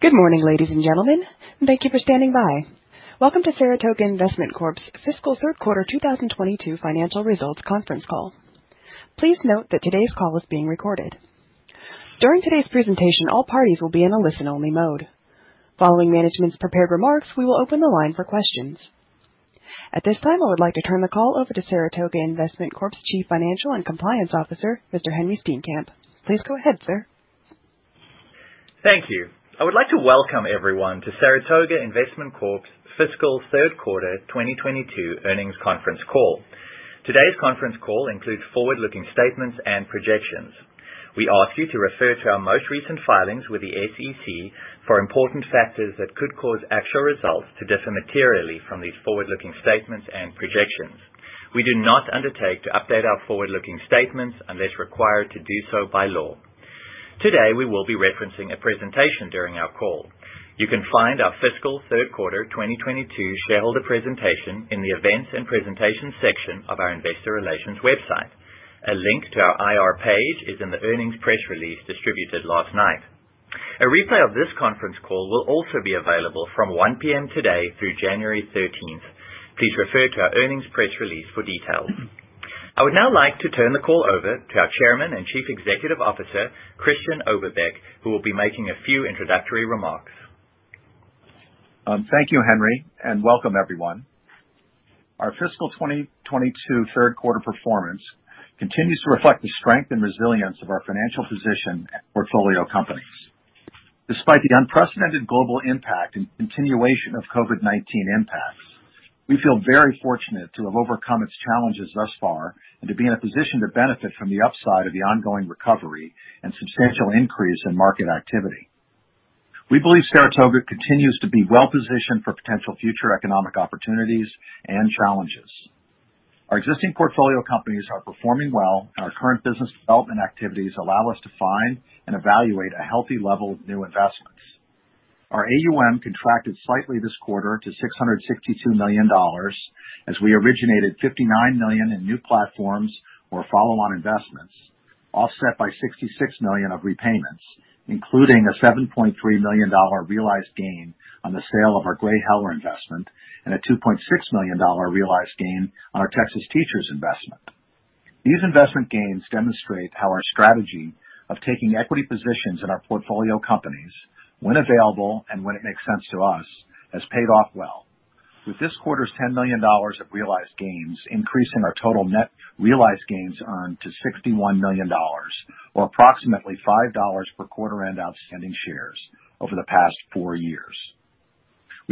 Good morning, ladies and gentlemen. Thank you for standing by. Welcome to Saratoga Investment Corp's fiscal third quarter 2022 financial results conference call. Please note that today's call is being recorded. During today's presentation, all parties will be in a listen-only mode. Following management's prepared remarks, we will open the line for questions. At this time, I would like to turn the call over to Saratoga Investment Corp's Chief Financial and Compliance Officer, Mr. Henri Steenkamp. Please go ahead, sir. Thank you. I would like to welcome everyone to Saratoga Investment Corp.'s fiscal third quarter 2022 earnings conference call. Today's conference call includes forward-looking statements and projections. We ask you to refer to our most recent filings with the SEC for important factors that could cause actual results to differ materially from these forward-looking statements and projections. We do not undertake to update our forward-looking statements unless required to do so by law. Today, we will be referencing a presentation during our call. You can find our fiscal third quarter 2022 shareholder presentation in the Events and Presentations section of our investor relations website. A link to our IR page is in the earnings press release distributed last night. A replay of this conference call will also be available from 1:00 P.M. today through January 13. Please refer to our earnings press release for details. I would now like to turn the call over to our Chairman and Chief Executive Officer, Christian Oberbeck, who will be making a few introductory remarks. Thank you, Henri, and welcome everyone. Our fiscal 2022 third quarter performance continues to reflect the strength and resilience of our financial position at portfolio companies. Despite the unprecedented global impact and continuation of COVID-19 impacts, we feel very fortunate to have overcome its challenges thus far and to be in a position to benefit from the upside of the ongoing recovery and substantial increase in market activity. We believe Saratoga continues to be well-positioned for potential future economic opportunities and challenges. Our existing portfolio companies are performing well, and our current business development activities allow us to find and evaluate a healthy level of new investments. Our AUM contracted slightly this quarter to $662 million as we originated 59 million in new platforms or follow-on investments, offset by 66 million of repayments, including a $7.3 million realized gain on the sale of our GreyHeller investment and a $2.6 million realized gain on our Teachers of Tomorrow We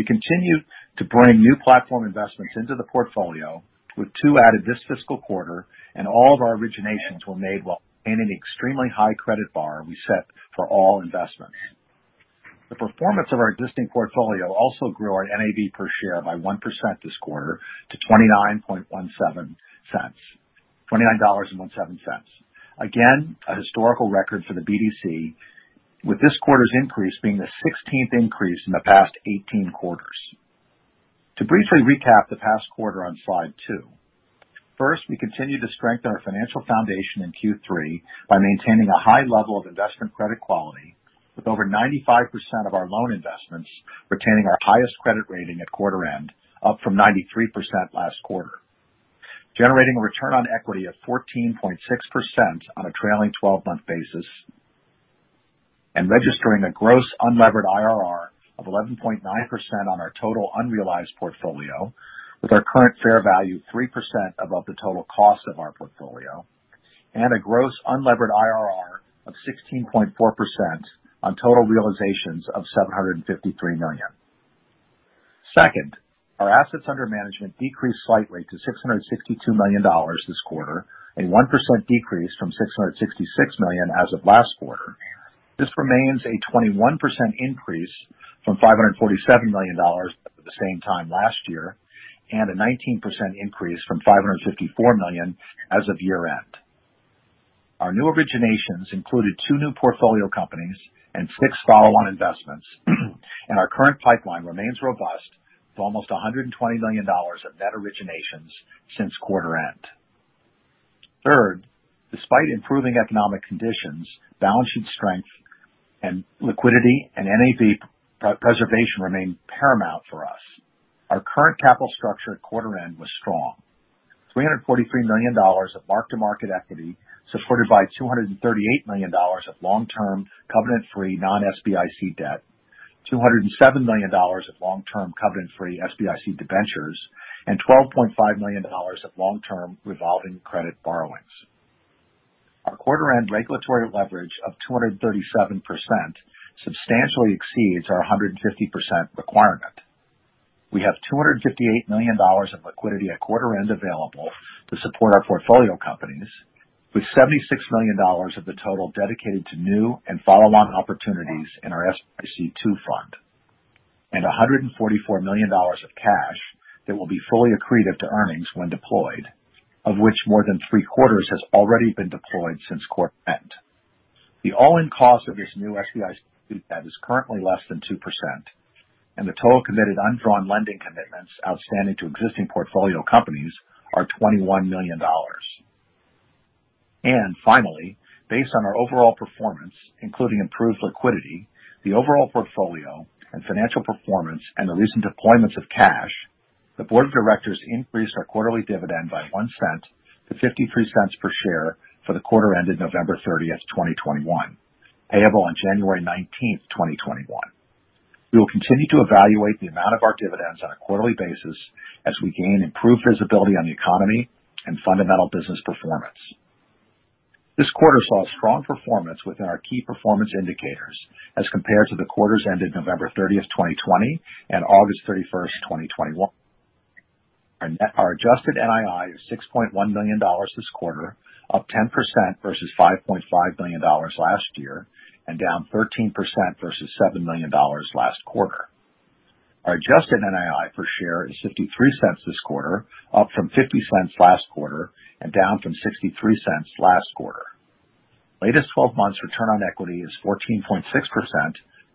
continue to bring new platform investments into the portfolio, with two added this fiscal quarter, and all of our originations were made while maintaining extremely high credit bar we set for all investments. The performance of our existing portfolio also grew our NAV per share by 1% this quarter to $29.17. Again, a historical record for the BDC, with this quarter's increase being the 16th increase in the past 18 quarters. To briefly recap the past quarter on slide two. First, we continued to strengthen our financial foundation in Q3 by maintaining a high level of investment credit quality, with over 95% of our loan investments retaining our highest credit rating at quarter end, up from 93% last quarter. Generating a return on equity of 14.6% on a trailing 12-month basis. Registering a gross unlevered IRR of 11.9% on our total unrealized portfolio, with our current fair value 3% above the total cost of our portfolio, and a gross unlevered IRR of 16.4% on total realizations of 753 million. Second, our assets under management decreased slightly to $662 million this quarter, a 1% decrease from 666 million as of last quarter. This remains a 21% increase from $547 million at the same time last year, and a 19% increase from 554 million as of year-end. Our new originations included two new portfolio companies and six follow-on investments, and our current pipeline remains robust with almost $120 million of net originations since quarter end. Third, despite improving economic conditions, balance sheet strength and liquidity and NAV preservation remain paramount for us. Our current capital structure at quarter end was strong. $343 million of mark-to-market equity, supported by $238 million of long-term covenant-free non-SBIC debt, $207 million of long-term covenant-free SBIC debentures, and $12.5 million of long-term revolving credit borrowings. Our quarter end regulatory leverage of 237% substantially exceeds our 150% requirement. We have $258 million of liquidity at quarter end available to support our portfolio companies, with $76 million of the total dedicated to new and follow-on opportunities in our SBIC Two fund. $144 million of cash that will be fully accretive to earnings when deployed, of which more than three-quarters has already been deployed since quarter end. The all-in cost of this new SBIC Two debt is currently less than 2%, and the total committed undrawn lending commitments outstanding to existing portfolio companies are $21 million. Finally, based on our overall performance, including improved liquidity, the overall portfolio and financial performance and the recent deployments of cash, the board of directors increased our quarterly dividend by $0.01 to $0.53 per share for the quarter ended November 30, 2021, payable on January 19, 2021. We will continue to evaluate the amount of our dividends on a quarterly basis as we gain improved visibility on the economy and fundamental business performance. This quarter saw strong performance within our key performance indicators as compared to the quarters ended November 30, 2020, and August 31, 2021. Our adjusted NII is $6.1 million this quarter, up 10% versus $5.5 million last year and down 13% versus $7 million last quarter. Our adjusted NII per share is 0.53 this quarter, up from 0.50 last quarter and down from 0.63 last quarter. Latest twelve months return on equity is 14.6%,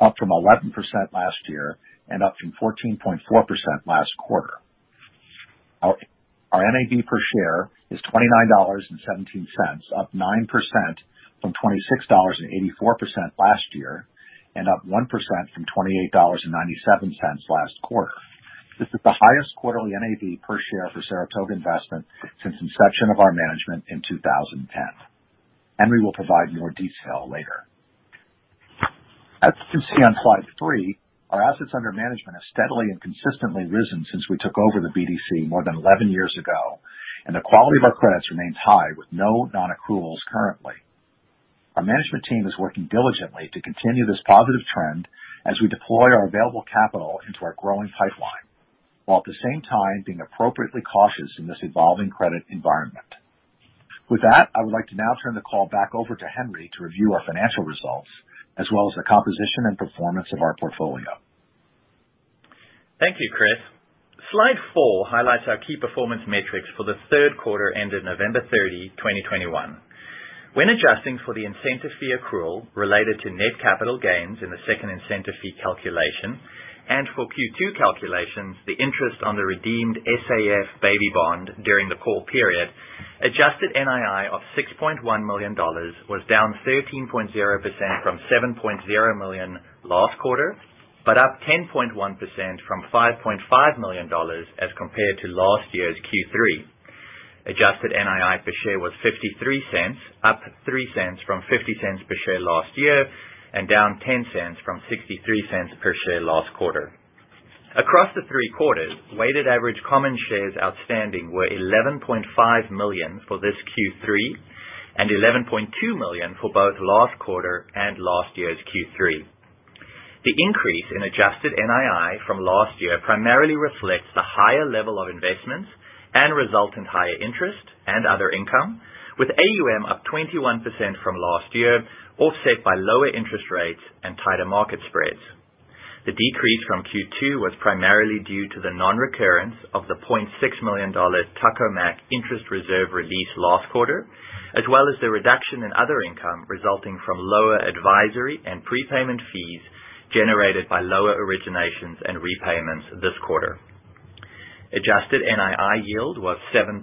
up from 11% last year and up from 14.4% last quarter. Our NAV per share is $29.17, up 9% from $26.84 last year and up 1% from $28.97 last quarter. This is the highest quarterly NAV per share for Saratoga Investment since inception of our management in 2010. Henri will provide more detail later. As you can see on slide three, our assets under management have steadily and consistently risen since we took over the BDC more than 11 years ago, and the quality of our credits remains high with no non-accruals currently. Our management team is working diligently to continue this positive trend as we deploy our available capital into our growing pipeline, while at the same time being appropriately cautious in this evolving credit environment. With that, I would like to now turn the call back over to Henri to review our financial results as well as the composition and performance of our portfolio. Thank you, Chris. Slide four highlights our key performance metrics for the third quarter ended November 30, 2021. When adjusting for the incentive fee accrual related to net capital gains in the second incentive fee calculation and for Q2 calculations, the interest on the redeemed SAF baby bond during the call period, adjusted NII of $6.1 million was down 13.0% from 7.0 million last quarter, but up 10.1% from $5.5 million as compared to last year's Q3. Adjusted NII per share was 0.53, up 0.03 from 0.50 per share last year and down 0.10 from 0.63 per share last quarter. Across the three quarters, weighted average common shares outstanding were 11.5 million for this Q3 and 11.2 million for both last quarter and last year's Q3. The increase in adjusted NII from last year primarily reflects the higher level of investments and resultant higher interest and other income, with AUM up 21% from last year, offset by lower interest rates and tighter market spreads. The decrease from Q2 was primarily due to the non-recurrence of the 0.6 million Tuckahoe interest reserve release last quarter, as well as the reduction in other income resulting from lower advisory and prepayment fees generated by lower originations and repayments this quarter. Adjusted NII yield was 7.3%.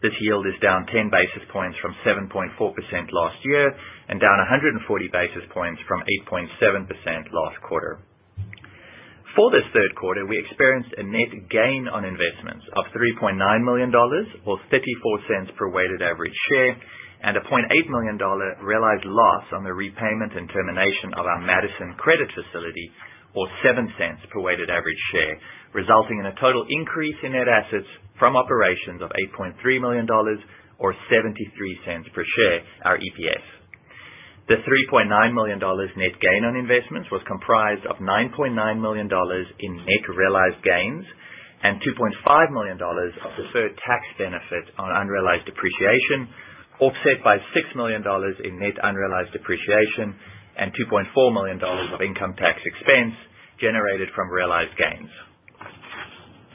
This yield is down 10 basis points from 7.4% last year and down 140 basis points from 8.7% last quarter. For this third quarter, we experienced a net gain on investments of $3.9 million or 0.34 per weighted average share, and a $0.8 million realized loss on the repayment and termination of our Madison credit facility or 0.07 per weighted average share, resulting in a total increase in net assets from operations of $8.3 million or 0.73 per share, our EPS. The $3.9 million net gain on investments was comprised of $9.9 million in net realized gains and $2.5 million of deferred tax benefit on unrealized appreciation, offset by $6 million in net unrealized appreciation and $2.4 million of income tax expense generated from realized gains.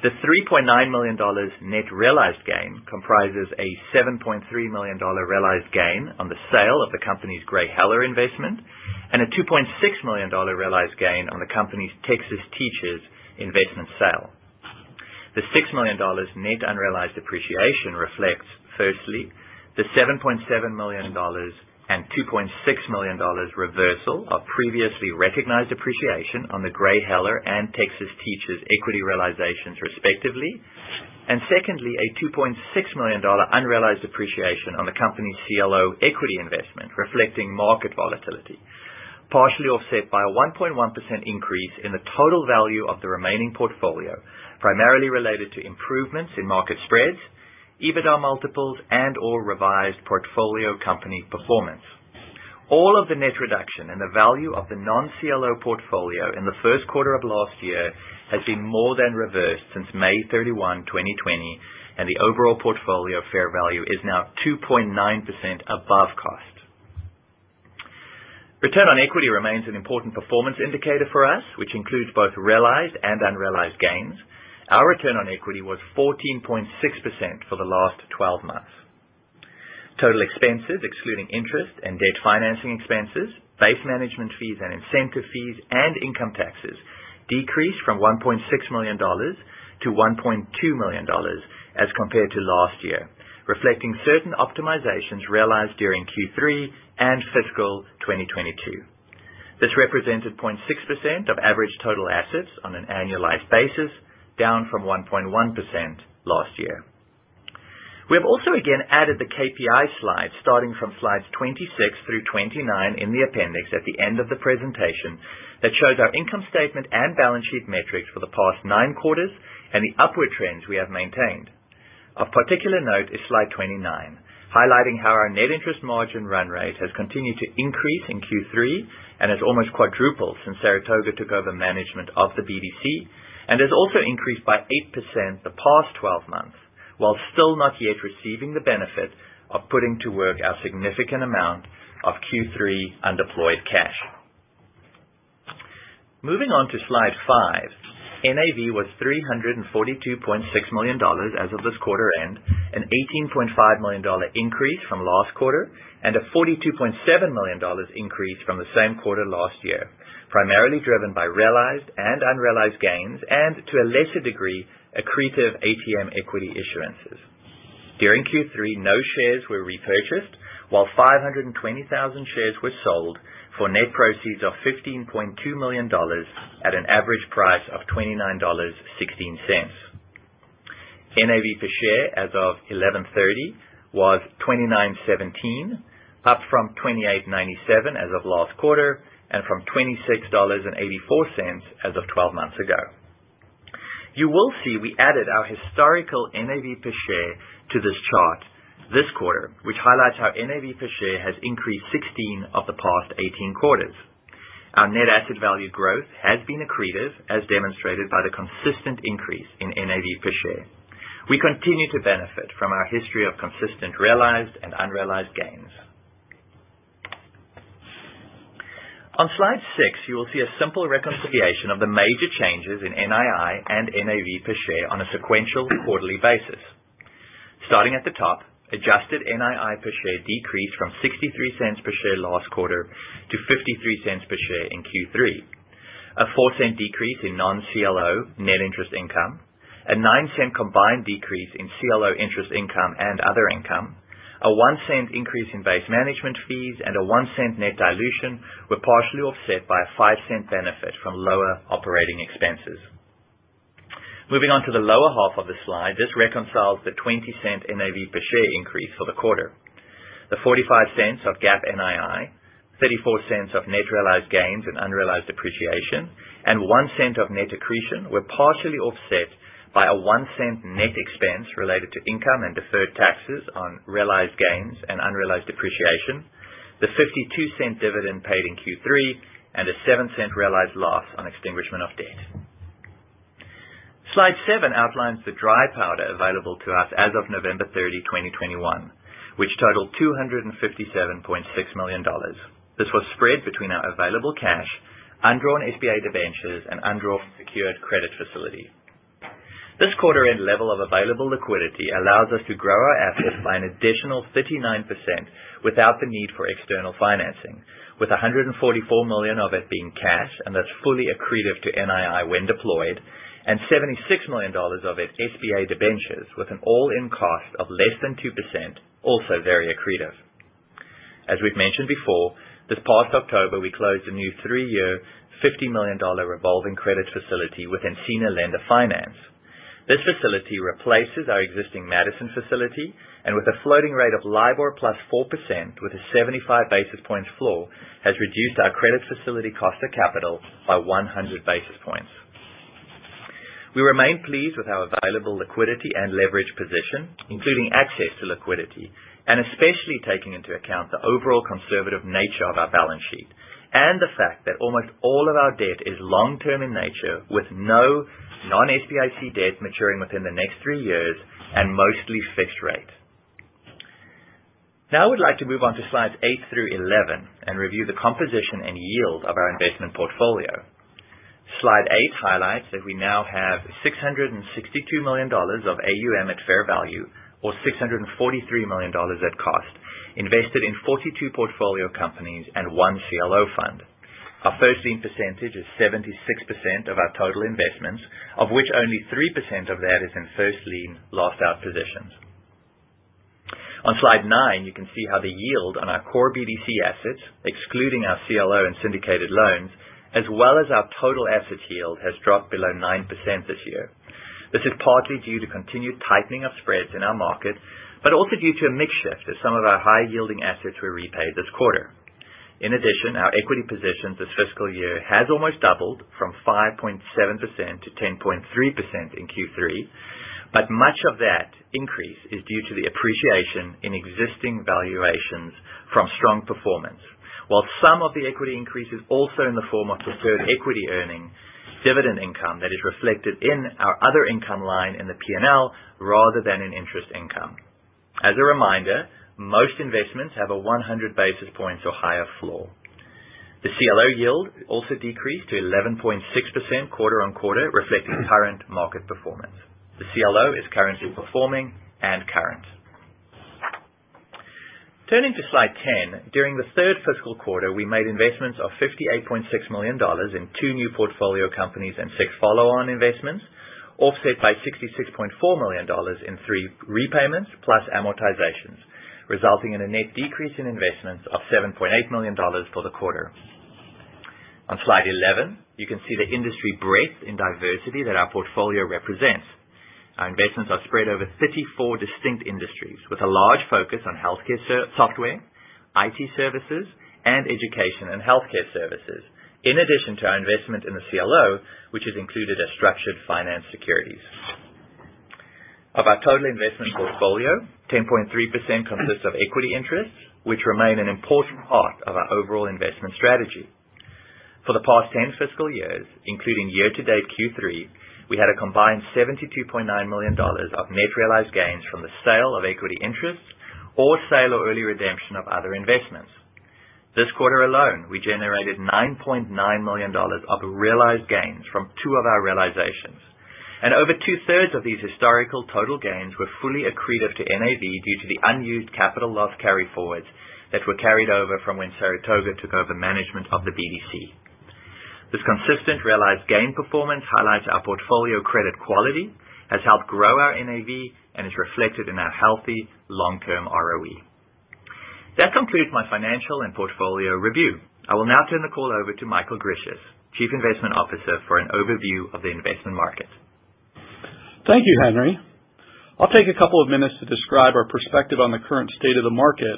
The $3.9 million net realized gain comprises a $7.3 million realized gain on the sale of the company's GreyHeller investment and a $2.6 million realized gain on the company's Teachers of Tomorrow investment sale. The $6 million net unrealized appreciation reflects, firstly, the $7.7 million and $2.6 million reversal of previously recognized appreciation on the GreyHeller and Teachers of Tomorrow equity realizations respectively. Secondly, a $2.6 million unrealized appreciation on the company's CLO equity investment, reflecting market volatility, partially offset by a 1.1% increase in the total value of the remaining portfolio, primarily related to improvements in market spreads, EBITDA multiples, and/or revised portfolio company performance. All of the net reduction in the value of the non-CLO portfolio in the Q1 of last year has been more than reversed since May 31, 2020, and the overall portfolio fair value is now 2.9% above cost. Return on equity remains an important performance indicator for us, which includes both realized and unrealized gains. Our return on equity was 14.6% for the last 12 months. Total expenses excluding interest and debt financing expenses, base management fees and incentive fees and income taxes decreased from $1.6 million to $1.2 million as compared to last year, reflecting certain optimizations realized during Q3 and fiscal 2022. This represented 0.6% of average total assets on an annualized basis, down from 1.1% last year. We have also again added the KPI slide starting from slides 26 through 29 in the appendix at the end of the presentation that shows our income statement and balance sheet metrics for the past nine quarters and the upward trends we have maintained. Of particular note is slide 29, highlighting how our net interest margin run rate has continued to increase in Q3 and has almost quadrupled since Saratoga took over management of the BDC and has also increased by 8% the past 12 months, while still not yet receiving the benefit of putting to work our significant amount of Q3 undeployed cash. Moving on to slide five. NAV was $342.6 million as of this quarter-end, an $18.5 million increase from last quarter, and a $42.7 million increase from the same quarter last year, primarily driven by realized and unrealized gains and to a lesser degree, accretive ATM equity issuances. During Q3, no shares were repurchased, while 520,000 shares were sold for net proceeds of $15.2 million at an average price of $29.16. NAV per share as of 11/30 was 29.17, up from 28.97 as of last quarter and from $26.84 as of 12 months ago. You will see we added our historical NAV per share to this chart this quarter, which highlights how NAV per share has increased 16 of the past 18 quarters. Our net asset value growth has been accretive as demonstrated by the consistent increase in NAV per share. We continue to benefit from our history of consistent, realized and unrealized gains. On slide six, you will see a simple reconciliation of the major changes in NII and NAV per share on a sequential quarterly basis. Starting at the top, adjusted NII per share decreased from 0.63 per share last quarter to 0.53 per share in Q3. A 0.04 Decrease in non-CLO net interest income, a 0.09 Combined decrease in CLO interest income and other income, a 0.01 Increase in base management fees and a 0.01 Net dilution were partially offset by a 0.05 Benefit from lower operating expenses. Moving on to the lower half of the slide. This reconciles the 0.20 NAV per share increase for the quarter. The 0.45 of GAAP NII, 0.34 of net realized gains and unrealized depreciation, and 0.01 of net accretion were partially offset by a 0.01 net expense related to income and deferred taxes on realized gains and unrealized appreciation. The 0.52 dividend paid in Q3 and a 0.07 realized loss on extinguishment of debt. Slide seven outlines the dry powder available to us as of November 30, 2021, which totaled $257.6 million. This was spread between our available cash, undrawn SBA debentures and undrawn secured credit facility. This quarter end level of available liquidity allows us to grow our assets by an additional 39% without the need for external financing. With 144 million of it being cash, and that's fully accretive to NII when deployed, and $76 million of it SBA debentures with an all-in cost of less than 2%, also very accretive. As we've mentioned before, this past October, we closed a new three-year $50 million revolving credit facility with Encina Lender Finance. This facility replaces our existing Madison facility and with a floating rate of LIBOR + 4% with a 75 basis points floor, has reduced our credit facility cost of capital by 100 basis points. We remain pleased with our available liquidity and leverage position, including access to liquidity and especially taking into account the overall conservative nature of our balance sheet and the fact that almost all of our debt is long term in nature, with no non-SBIC debt maturing within the next three years and mostly fixed rate. Now I would like to move on to slides eight through 11 and review the composition and yield of our investment portfolio. Slide eight highlights that we now have $662 million of AUM at fair value or $643 million at cost, invested in 42 portfolio companies and one CLO fund. Our first lien percentage is 76% of our total investments, of which only 3% of that is in first lien last out positions. On slide nine, you can see how the yield on our core BDC assets, excluding our CLO and syndicated loans, as well as our total assets yield has dropped below 9% this year. This is partly due to continued tightening of spreads in our market, but also due to a mix shift as some of our high yielding assets were repaid this quarter. In addition, our equity position this fiscal year has almost doubled from 5.7%-10.3% in Q3. Much of that increase is due to the appreciation in existing valuations from strong performance. While some of the equity increase is also in the form of deferred equity earning dividend income that is reflected in our other income line in the P&L rather than in interest income. As a reminder, most investments have a 100 basis points or higher floor. The CLO yield also decreased to 11.6% quarter-over-quarter, reflecting current market performance. The CLO is currently performing and current. Turning to slide 10. During the third fiscal quarter, we made investments of $58.6 million in two new portfolio companies and six follow-on investments, offset by $66.4 million in three repayments plus amortizations, resulting in a net decrease in investments of $7.8 million for the quarter. On slide 11, you can see the industry breadth and diversity that our portfolio represents. Our investments are spread over 54 distinct industries with a large focus on healthcare software, IT services, and education and healthcare services. In addition to our investment in the CLO, which is included as structured finance securities. Of our total investment portfolio, 10.3% consists of equity interests, which remain an important part of our overall investment strategy. For the past 10 fiscal years, including year-to-date Q3, we had a combined $72.9 million of net realized gains from the sale of equity interests or sale or early redemption of other investments. This quarter alone, we generated $9.9 million of realized gains from two of our realizations. Over two-thirds of these historical total gains were fully accretive to NAV due to the unused capital loss carryforwards that were carried over from when Saratoga took over management of the BDC. This consistent realized gain performance highlights our portfolio credit quality, has helped grow our NAV and is reflected in our healthy long-term ROE. That concludes my financial and portfolio review. I will now turn the call over to Michael Grisius, Chief Investment Officer, for an overview of the investment market. Thank you, Henri. I'll take a couple of minutes to describe our perspective on the current state of the market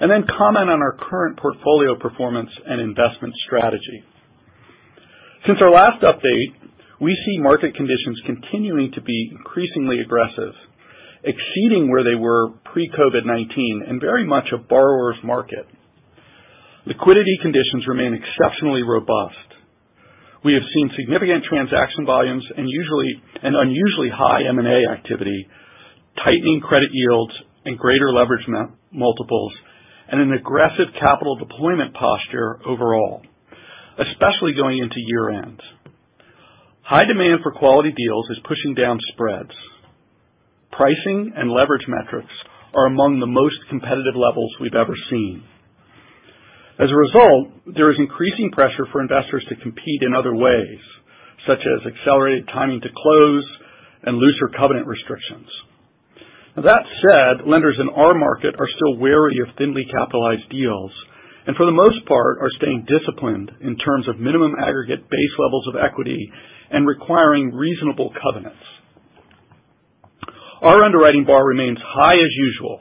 and then comment on our current portfolio performance and investment strategy. Since our last update, we see market conditions continuing to be increasingly aggressive, exceeding where they were pre-COVID-19 and very much a borrower's market. Liquidity conditions remain exceptionally robust. We have seen significant transaction volumes and unusually high M and A activity, tightening credit yields and greater leverage multiples, and an aggressive capital deployment posture overall, especially going into year-end. High demand for quality deals is pushing down spreads. Pricing and leverage metrics are among the most competitive levels we've ever seen. As a result, there is increasing pressure for investors to compete in other ways, such as accelerated timing to close and looser covenant restrictions. That said, lenders in our market are still wary of thinly capitalized deals, and for the most part are staying disciplined in terms of minimum aggregate base levels of equity and requiring reasonable covenants. Our underwriting bar remains high as usual,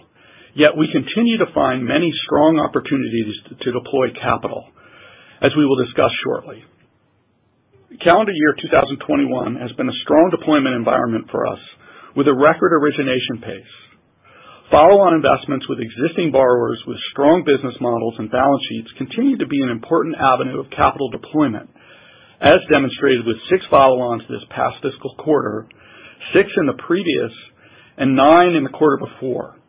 yet we continue to find many strong opportunities to deploy capital, as we will discuss shortly. Calendar year 2021 has been a strong deployment environment for us, with a record origination pace. Follow-on investments with existing borrowers with strong business models and balance sheets continue to be an important avenue of capital deployment, as demonstrated with six follow-ons this past fiscal quarter, six in the previous, and nine in the quarter before.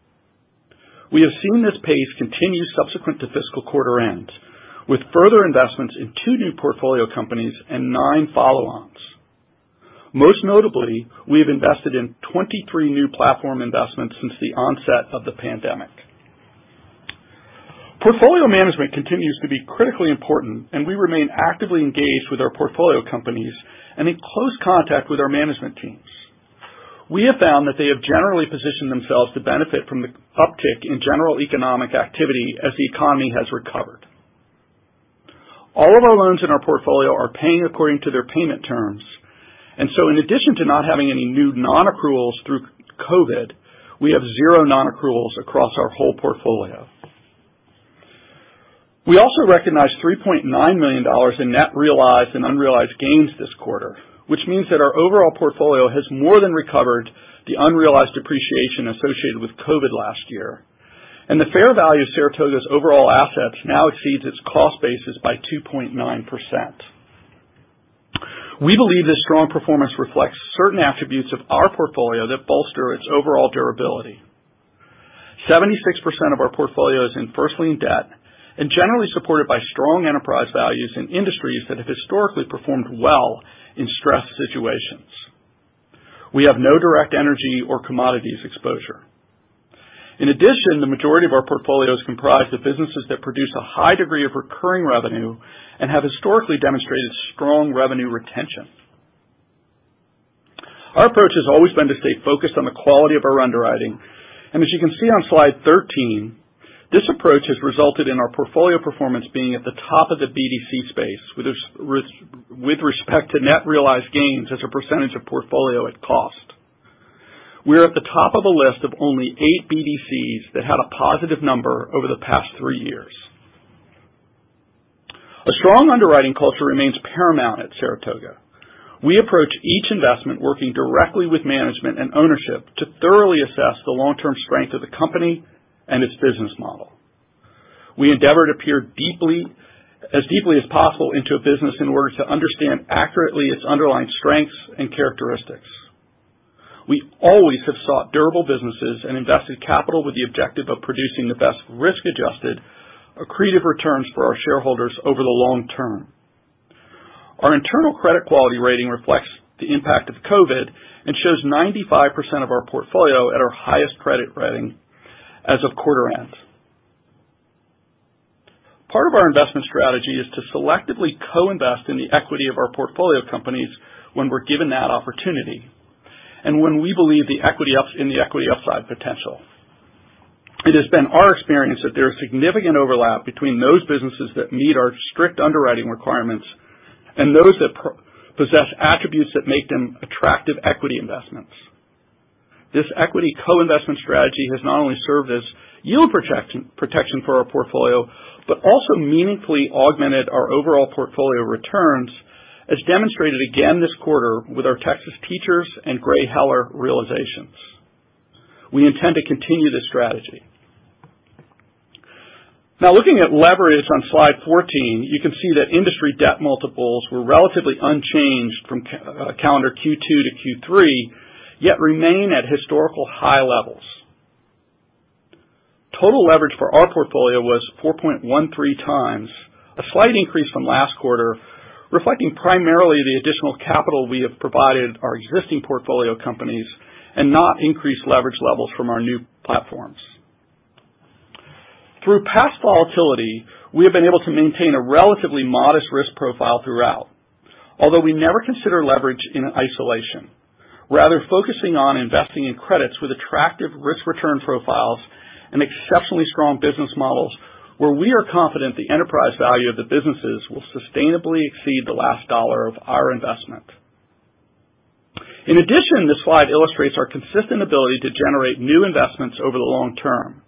We have seen this pace continue subsequent to fiscal quarter ends, with further investments in two new portfolio companies and nine follow-ons. Most notably, we have invested in 23 new platform investments since the onset of the pandemic. Portfolio management continues to be critically important, and we remain actively engaged with our portfolio companies and in close contact with our management teams. We have found that they have generally positioned themselves to benefit from the uptick in general economic activity as the economy has recovered. All of our loans in our portfolio are paying according to their payment terms. In addition to not having any new non-accruals through COVID, we have zero non-accruals across our whole portfolio. We also recognize $3.9 million in net realized and unrealized gains this quarter, which means that our overall portfolio has more than recovered the unrealized appreciation associated with COVID last year. The fair value of Saratoga's overall assets now exceeds its cost basis by 2.9%. We believe this strong performance reflects certain attributes of our portfolio that bolster its overall durability. 76% of our portfolio is in first lien debt and generally supported by strong enterprise values in industries that have historically performed well in stress situations. We have no direct energy or commodities exposure. In addition, the majority of our portfolio is comprised of businesses that produce a high degree of recurring revenue and have historically demonstrated strong revenue retention. Our approach has always been to stay focused on the quality of our underwriting. As you can see on slide 13, this approach has resulted in our portfolio performance being at the top of the BDC space with respect to net realized gains as a percentage of portfolio at cost. We're at the top of a list of only eight BDCs that had a positive number over the past three years. A strong underwriting culture remains paramount at Saratoga. We approach each investment working directly with management and ownership to thoroughly assess the long-term strength of the company and its business model. We endeavor to peer deeply, as deeply as possible into a business in order to understand accurately its underlying strengths and characteristics. We always have sought durable businesses and invested capital with the objective of producing the best risk-adjusted accretive returns for our shareholders over the long term. Our internal credit quality rating reflects the impact of COVID and shows 95% of our portfolio at our highest credit rating as of quarter end. Part of our investment strategy is to selectively co-invest in the equity of our portfolio companies when we're given that opportunity and when we believe the equity upside potential. It has been our experience that there is significant overlap between those businesses that meet our strict underwriting requirements and those that possess attributes that make them attractive equity investments. This equity co-investment strategy has not only served as yield protection for our portfolio, but also meaningfully augmented our overall portfolio returns, as demonstrated again this quarter with our Teachers of Tomorrow and GreyHeller realizations. We intend to continue this strategy. Now looking at leverage on slide 14, you can see that industry debt multiples were relatively unchanged from calendar Q2 to Q3, yet remain at historical high levels. Total leverage for our portfolio was 4.13 times, a slight increase from last quarter, reflecting primarily the additional capital we have provided our existing portfolio companies and not increased leverage levels from our new platforms. Through past volatility, we have been able to maintain a relatively modest risk profile throughout. Although we never consider leverage in isolation, rather focusing on investing in credits with attractive risk-return profiles and exceptionally strong business models where we are confident the enterprise value of the businesses will sustainably exceed the last dollar of our investment. In addition, this slide illustrates our consistent ability to generate new investments over the long term,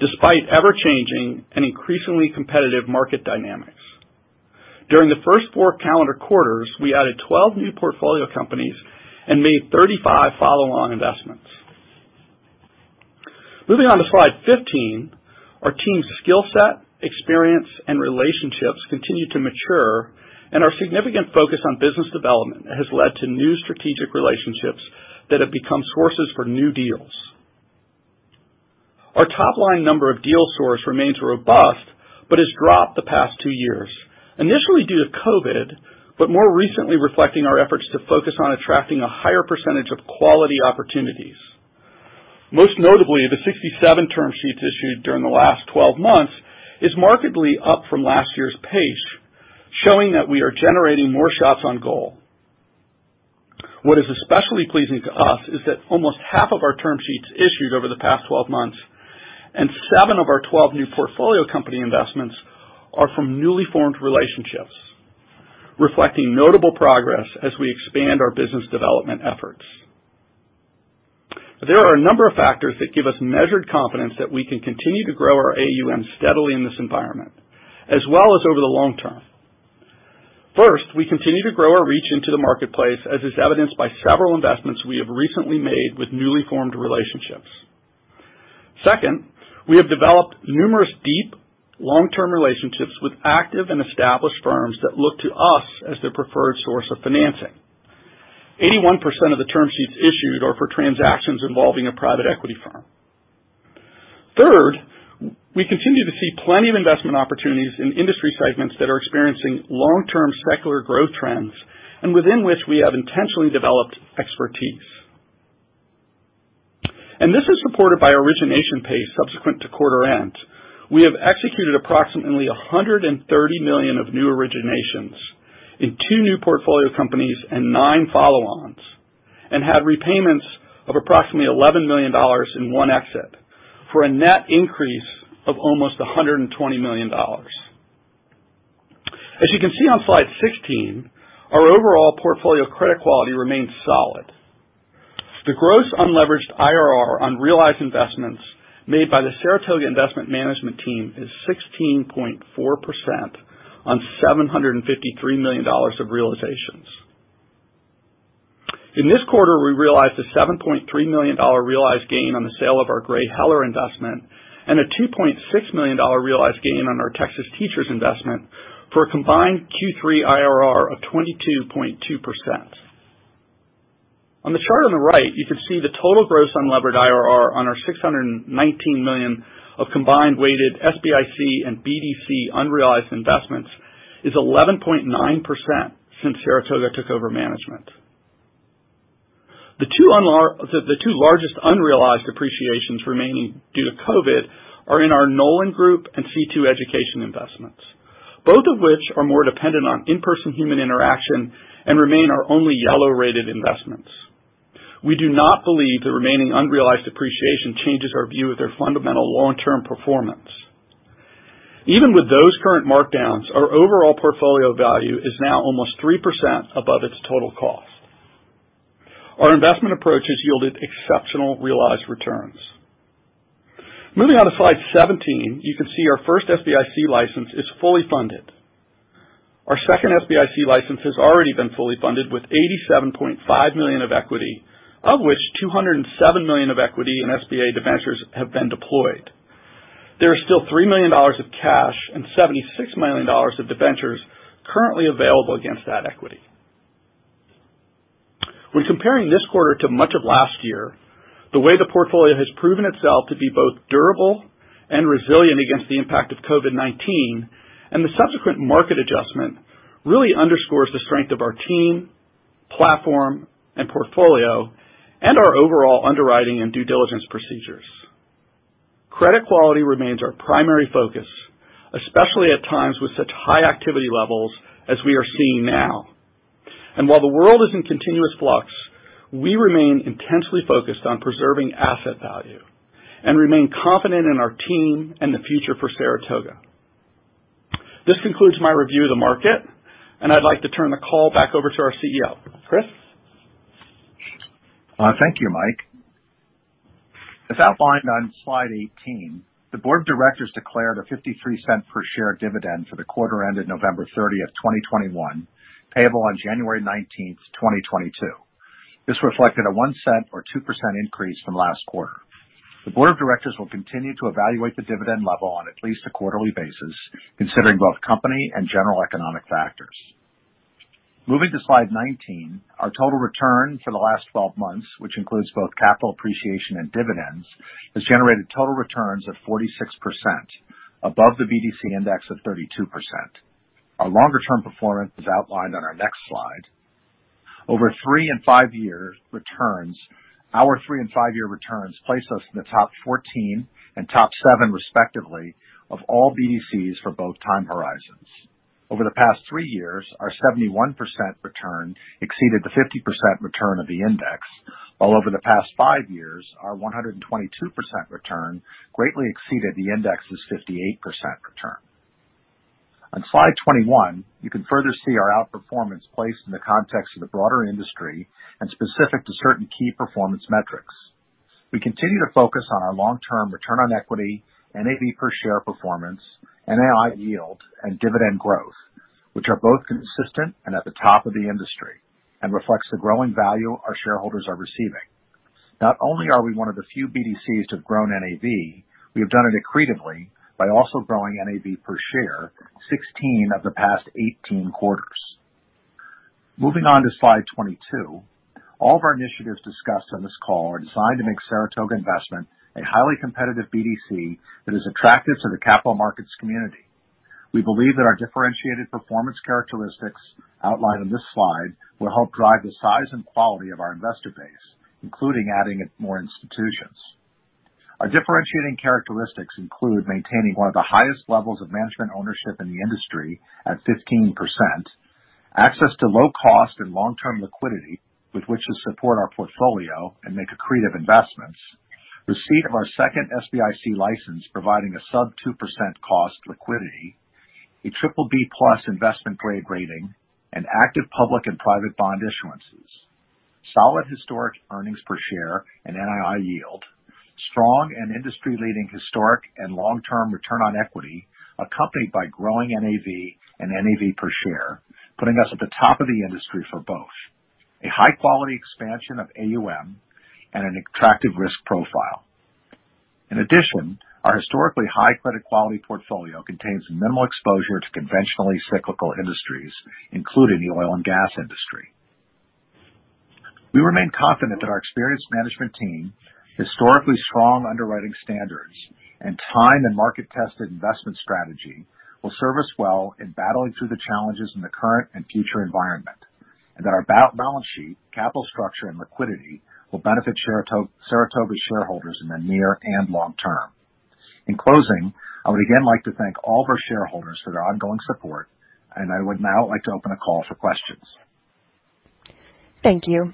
despite ever-changing and increasingly competitive market dynamics. During the first four calendar quarters, we added 12 new portfolio companies and made 35 follow-on investments. Moving on to slide 15. Our team's skill set, experience, and relationships continue to mature, and our significant focus on business development has led to new strategic relationships that have become sources for new deals. Our top-line number of deal sourcing remains robust, but has dropped the past two years, initially due to COVID-19, but more recently reflecting our efforts to focus on attracting a higher percentage of quality opportunities. Most notably, the 67 term sheets issued during the last 12 months is markedly up from last year's pace, showing that we are generating more shots on goal. What is especially pleasing to us is that almost half of our term sheets issued over the past 12 months and seven of our 12 new portfolio company investments are from newly formed relationships, reflecting notable progress as we expand our business development efforts. There are a number of factors that give us measured confidence that we can continue to grow our AUM steadily in this environment as well as over the long term. First, we continue to grow our reach into the marketplace, as is evidenced by several investments we have recently made with newly formed relationships. Second, we have developed numerous deep, long-term relationships with active and established firms that look to us as their preferred source of financing. 81% of the term sheets issued are for transactions involving a private equity firm. Third, we continue to see plenty of investment opportunities in industry segments that are experiencing long-term secular growth trends and within which we have intentionally developed expertise. This is supported by origination pace subsequent to quarter end. We have executed approximately 130 million of new originations in two new portfolio companies and nine follow-ons, and had repayments of approximately $11 million in one exit for a net increase of almost $120 million. As you can see on slide 16, our overall portfolio credit quality remains solid. The gross unleveraged IRR on realized investments made by the Saratoga Investment management team is 16.4% on $753 million of realizations. In this quarter, we realized a $7.3 million realized gain on the sale of our GreyHeller investment and a $2.6 million realized gain on our Teachers of Tomorrow investment for a combined Q3 IRR of 22.2%. On the chart on the right, you can see the total gross unlevered IRR on our 619 million of combined weighted SBIC and BDC unrealized investments is 11.9% since Saratoga took over management. The two largest unrealized appreciations remaining due to COVID-19 are in our Knowland Group and C2 Education investments, both of which are more dependent on in-person human interaction and remain our only yellow-rated investments. We do not believe the remaining unrealized appreciation changes our view of their fundamental long-term performance. Even with those current markdowns, our overall portfolio value is now almost 3% above its total cost. Our investment approach has yielded exceptional realized returns. Moving on to slide 17, you can see our first SBIC license is fully funded. Our second SBIC license has already been fully funded with 87.5 million of equity, of which 207 million of equity and SBA debentures have been deployed. There are still 3 million of cash and $76 million of debentures currently available against that equity. When comparing this quarter to much of last year, the way the portfolio has proven itself to be both durable and resilient against the impact of COVID-19 and the subsequent market adjustment really underscores the strength of our team, platform, and portfolio, and our overall underwriting and due diligence procedures. Credit quality remains our primary focus, especially at times with such high activity levels as we are seeing now. While the world is in continuous flux, we remain intensely focused on preserving asset value and remain confident in our team and the future for Saratoga. This concludes my review of the market, and I'd like to turn the call back over to our CEO. Chris? Thank you, Mike. As outlined on slide 18, the board of directors declared a 0.53 per share dividend for the quarter ended November 30, 2021, payable on January 19, 2022. This reflected a 0.01or 2% increase from last quarter. The board of directors will continue to evaluate the dividend level on at least a quarterly basis, considering both company and general economic factors. Moving to slide 19. Our total return for the last 12 months, which includes both capital appreciation and dividends, has generated total returns of 46% above the BDC index of 32%. Our longer term performance is outlined on our next slide. Over three and five-year returns, our three and five-year returns place us in the top 14 and top seven, respectively, of all BDCs for both time horizons. Over the past three years, our 71% return exceeded the 50% return of the index, while over the past five years, our 122% return greatly exceeded the index's 58% return. On slide 21, you can further see our outperformance placed in the context of the broader industry and specific to certain key performance metrics. We continue to focus on our long-term return on equity, NAV per share performance, NII yield, and dividend growth, which are both consistent and at the top of the industry and reflects the growing value our shareholders are receiving. Not only are we one of the few BDCs to have grown NAV, we have done it accretively by also growing NAV per share 16 of the past 18 quarters. Moving on to slide 22. All of our initiatives discussed on this call are designed to make Saratoga Investment a highly competitive BDC that is attractive to the capital markets community. We believe that our differentiated performance characteristics outlined in this slide will help drive the size and quality of our investor base, including adding more institutions. Our differentiating characteristics include maintaining one of the highest levels of management ownership in the industry at 15%, access to low cost and long-term liquidity with which to support our portfolio and make accretive investments, receipt of our second SBIC license providing sub 2% cost liquidity, a BBB+ investment grade rating, and active public and private bond issuances. Solid historic earnings per share and NII yield. Strong and industry-leading historic and long-term return on equity, accompanied by growing NAV and NAV per share, putting us at the top of the industry for both. A high-quality expansion of AUM and an attractive risk profile. In addition, our historically high credit quality portfolio contains minimal exposure to conventionally cyclical industries, including the oil and gas industry. We remain confident that our experienced management team, historically strong underwriting standards, and time and market-tested investment strategy will serve us well in battling through the challenges in the current and future environment, and that our balance sheet, capital structure, and liquidity will benefit Saratoga's shareholders in the near and long term. In closing, I would again like to thank all of our shareholders for their ongoing support, and I would now like to open a call for questions. Thank you.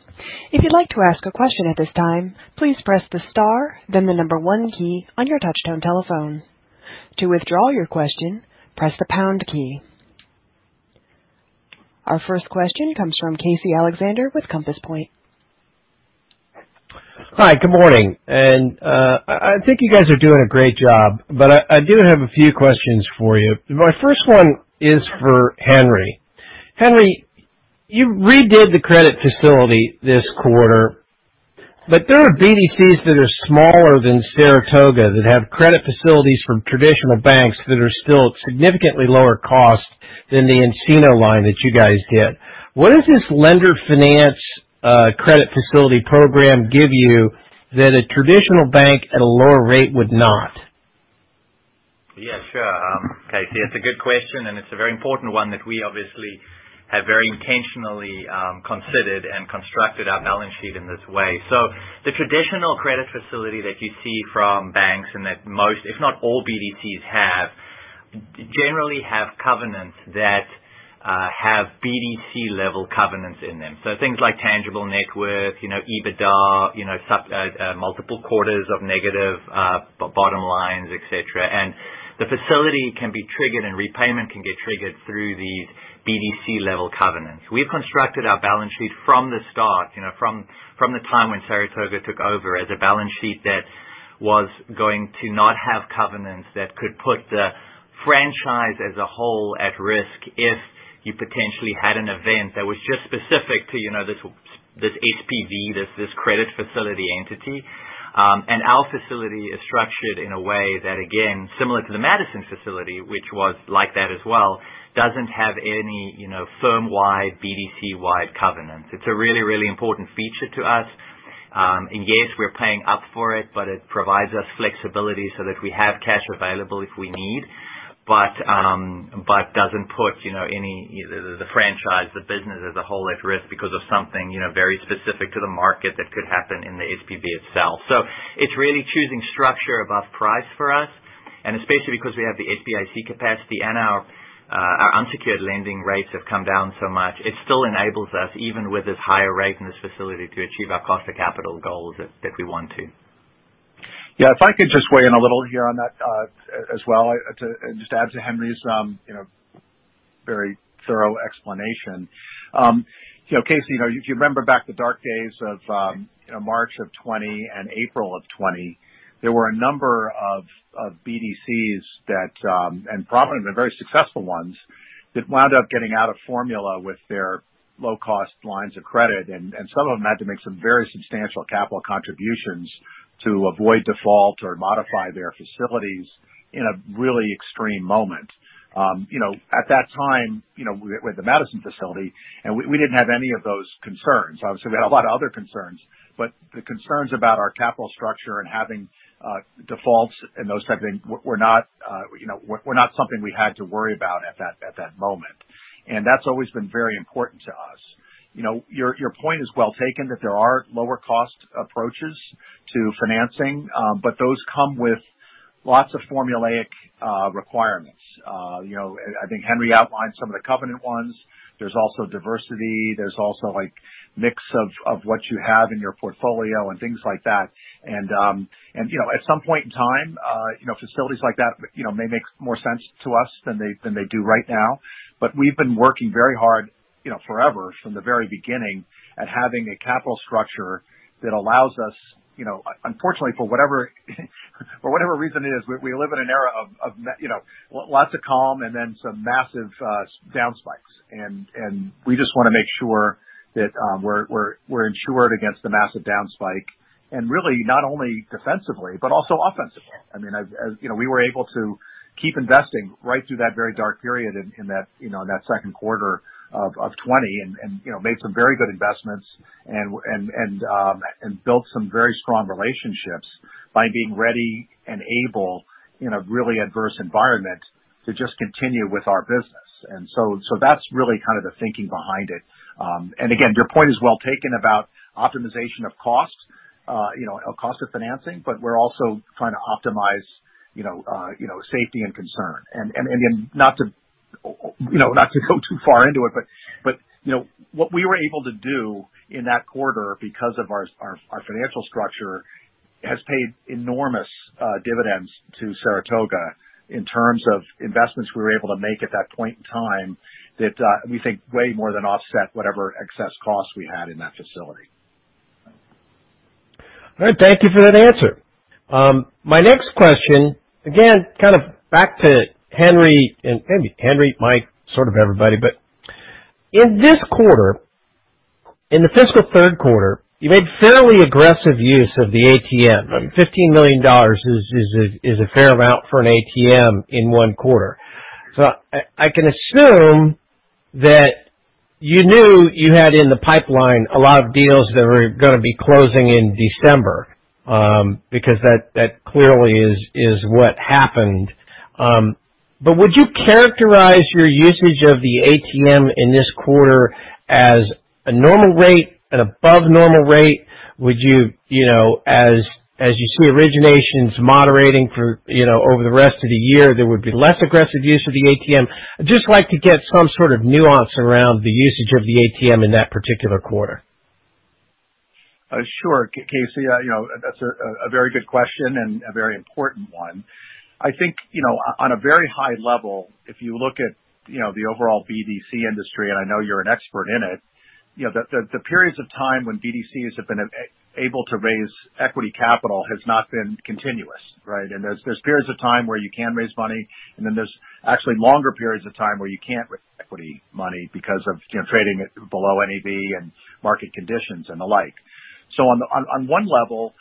If you'd like to ask a question at this time, please press the star then the number one key on your touch-tone telephone. To withdraw your question, press the pound key. Our first question comes from Casey Alexander with Compass Point. Hi, good morning. I think you guys are doing a great job, but I do have a few questions for you. My first one is for Henri. Henri, you redid the credit facility this quarter, but there are BDCs that are smaller than Saratoga that have credit facilities from traditional banks that are still significantly lower cost than the Encina line that you guys did. What does this lender finance credit facility program give you that a traditional bank at a lower rate would not? Yeah, sure. Casey, that's a good question, and it's a very important one that we obviously have very intentionally considered and constructed our balance sheet in this way. The traditional credit facility that you see from banks and that most, if not all BDCs have generally have covenants that have BDC level covenants in them. Things like tangible net worth, you know, EBITDA, you know, such as multiple quarters of negative bottom lines, et cetera. The facility can be triggered and repayment can get triggered through these BDC level covenants. We've constructed our balance sheet from the start, you know, from the time when Saratoga took over, as a balance sheet that was going to not have covenants that could put the Franchise as a whole at risk if you potentially had an event that was just specific to, you know, this HPB, this credit facility entity. Our facility is structured in a way that, again, similar to the Madison facility, which was like that as well, doesn't have any, you know, firm-wide, BDC-wide covenants. It's a really important feature to us. Yes, we're paying up for it, but it provides us flexibility so that we have cash available if we need. But doesn't put, you know, any the franchise, the business as a whole at risk because of something, you know, very specific to the market that could happen in the HPB itself. It's really choosing structure above price for us, and especially because we have the SBIC capacity and our unsecured lending rates have come down so much, it still enables us, even with this higher rate in this facility, to achieve our cost of capital goals that we want to. Yeah. If I could just weigh in a little here on that, as well to just add to Henri's, you know, very thorough explanation. You know, Casey, you know, if you remember back the dark days of, you know, March of 2020 and April of 2020, there were a number of BDCs that, and probably the very successful ones, that wound up getting out of formula with their low-cost lines of credit, and some of them had to make some very substantial capital contributions to avoid default or modify their facilities in a really extreme moment. You know, at that time, you know, with the Madison facility, and we didn't have any of those concerns. Obviously, we had a lot of other concerns, but the concerns about our capital structure and having defaults and those type of things were not something we had to worry about at that moment. That's always been very important to us. You know, your point is well taken that there are lower cost approaches to financing, but those come with lots of formulaic requirements. You know, I think Henri outlined some of the covenant ones. There's also diversity. There's also, like, mix of what you have in your portfolio and things like that. You know, at some point in time, you know, facilities like that may make more sense to us than they do right now. We've been working very hard, you know, forever, from the very beginning at having a capital structure that allows us, you know. Unfortunately, for whatever reason it is, we live in an era of lots of calm and then some massive sudden down spikes. We just wanna make sure that we're insured against the massive down spike. Really not only defensively but also offensively. I mean, as you know, we were able to keep investing right through that very dark period in that second quarter of 2020 and you know, made some very good investments and built some very strong relationships by being ready and able in a really adverse environment to just continue with our business. That's really kind of the thinking behind it. Again, your point is well taken about optimization of costs, you know, of cost of financing, but we're also trying to optimize, you know, safety and concern. Not to go too far into it, but you know, what we were able to do in that quarter because of our financial structure has paid enormous dividends to Saratoga in terms of investments we were able to make at that point in time that we think way more than offset whatever excess costs we had in that facility. All right. Thank you for that answer. My next question, again, kind of back to Henri, and maybe Henri, Mike, sort of everybody. In this quarter, in the fiscal third quarter, you made fairly aggressive use of the ATM. $15 million is a fair amount for an ATM in one quarter. I can assume that you knew you had in the pipeline a lot of deals that were gonna be closing in December, because that clearly is what happened. Would you characterize your usage of the ATM in this quarter as a normal rate, an above normal rate? Would you know, as you see originations moderating for, you know, over the rest of the year, there would be less aggressive use of the ATM. I'd just like to get some sort of nuance around the usage of the ATM in that particular quarter. Sure. Casey, you know, that's a very good question and a very important one. I think, you know, on a very high level, if you look at, you know, the overall BDC industry, and I know you're an expert in it. You know, the periods of time when BDCs have been able to raise equity capital has not been continuous, right? There's periods of time where you can raise money, and then there's actually longer periods of time where you can't raise equity money because of, you know, trading at below NAV and market conditions and the like. On one level,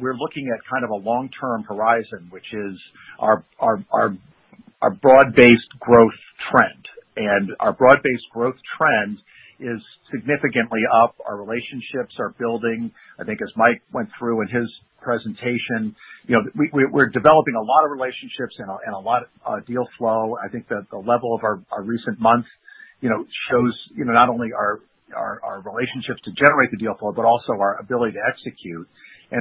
we're looking at kind of a long-term horizon, which is our broad-based growth trend. Our broad-based growth trend is significantly up. Our relationships are building. I think as Mike went through in his presentation, you know, we're developing a lot of relationships and a lot of deal flow. I think that the level of our recent months, you know, shows, you know, not only our relationships to generate the deal flow but also our ability to execute. We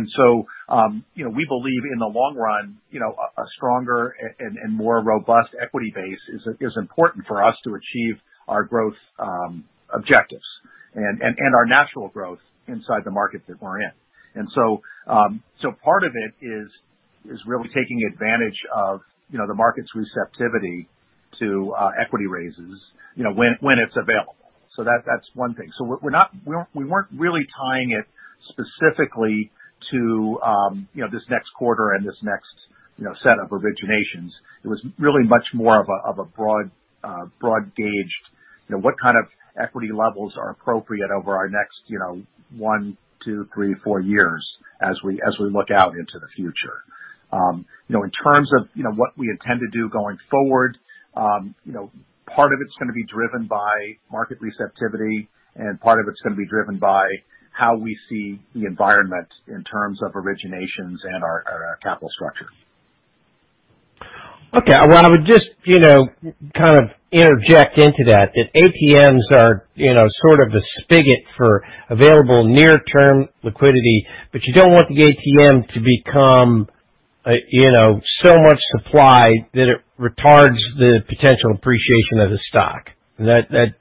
believe in the long run, you know, a stronger and more robust equity base is important for us to achieve our growth objectives and our natural growth inside the market that we're in. Part of it is really taking advantage of, you know, the market's receptivity to equity raises, you know, when it's available. That's one thing. We're not really tying it specifically to you know, this next quarter and this next you know, set of originations. It was really much more of a broad gauge. You know, what kind of equity levels are appropriate over our next you know, one, two, three, four years as we look out into the future. You know, in terms of you know, what we intend to do going forward, you know, part of it's gonna be driven by market receptivity, and part of it's gonna be driven by how we see the environment in terms of originations and our capital structure. Okay. Well, I would just, you know, kind of interject into that ATMs are, you know, sort of a spigot for available near-term liquidity, but you don't want the ATM to become, you know, so much supply that it retards the potential appreciation of the stock.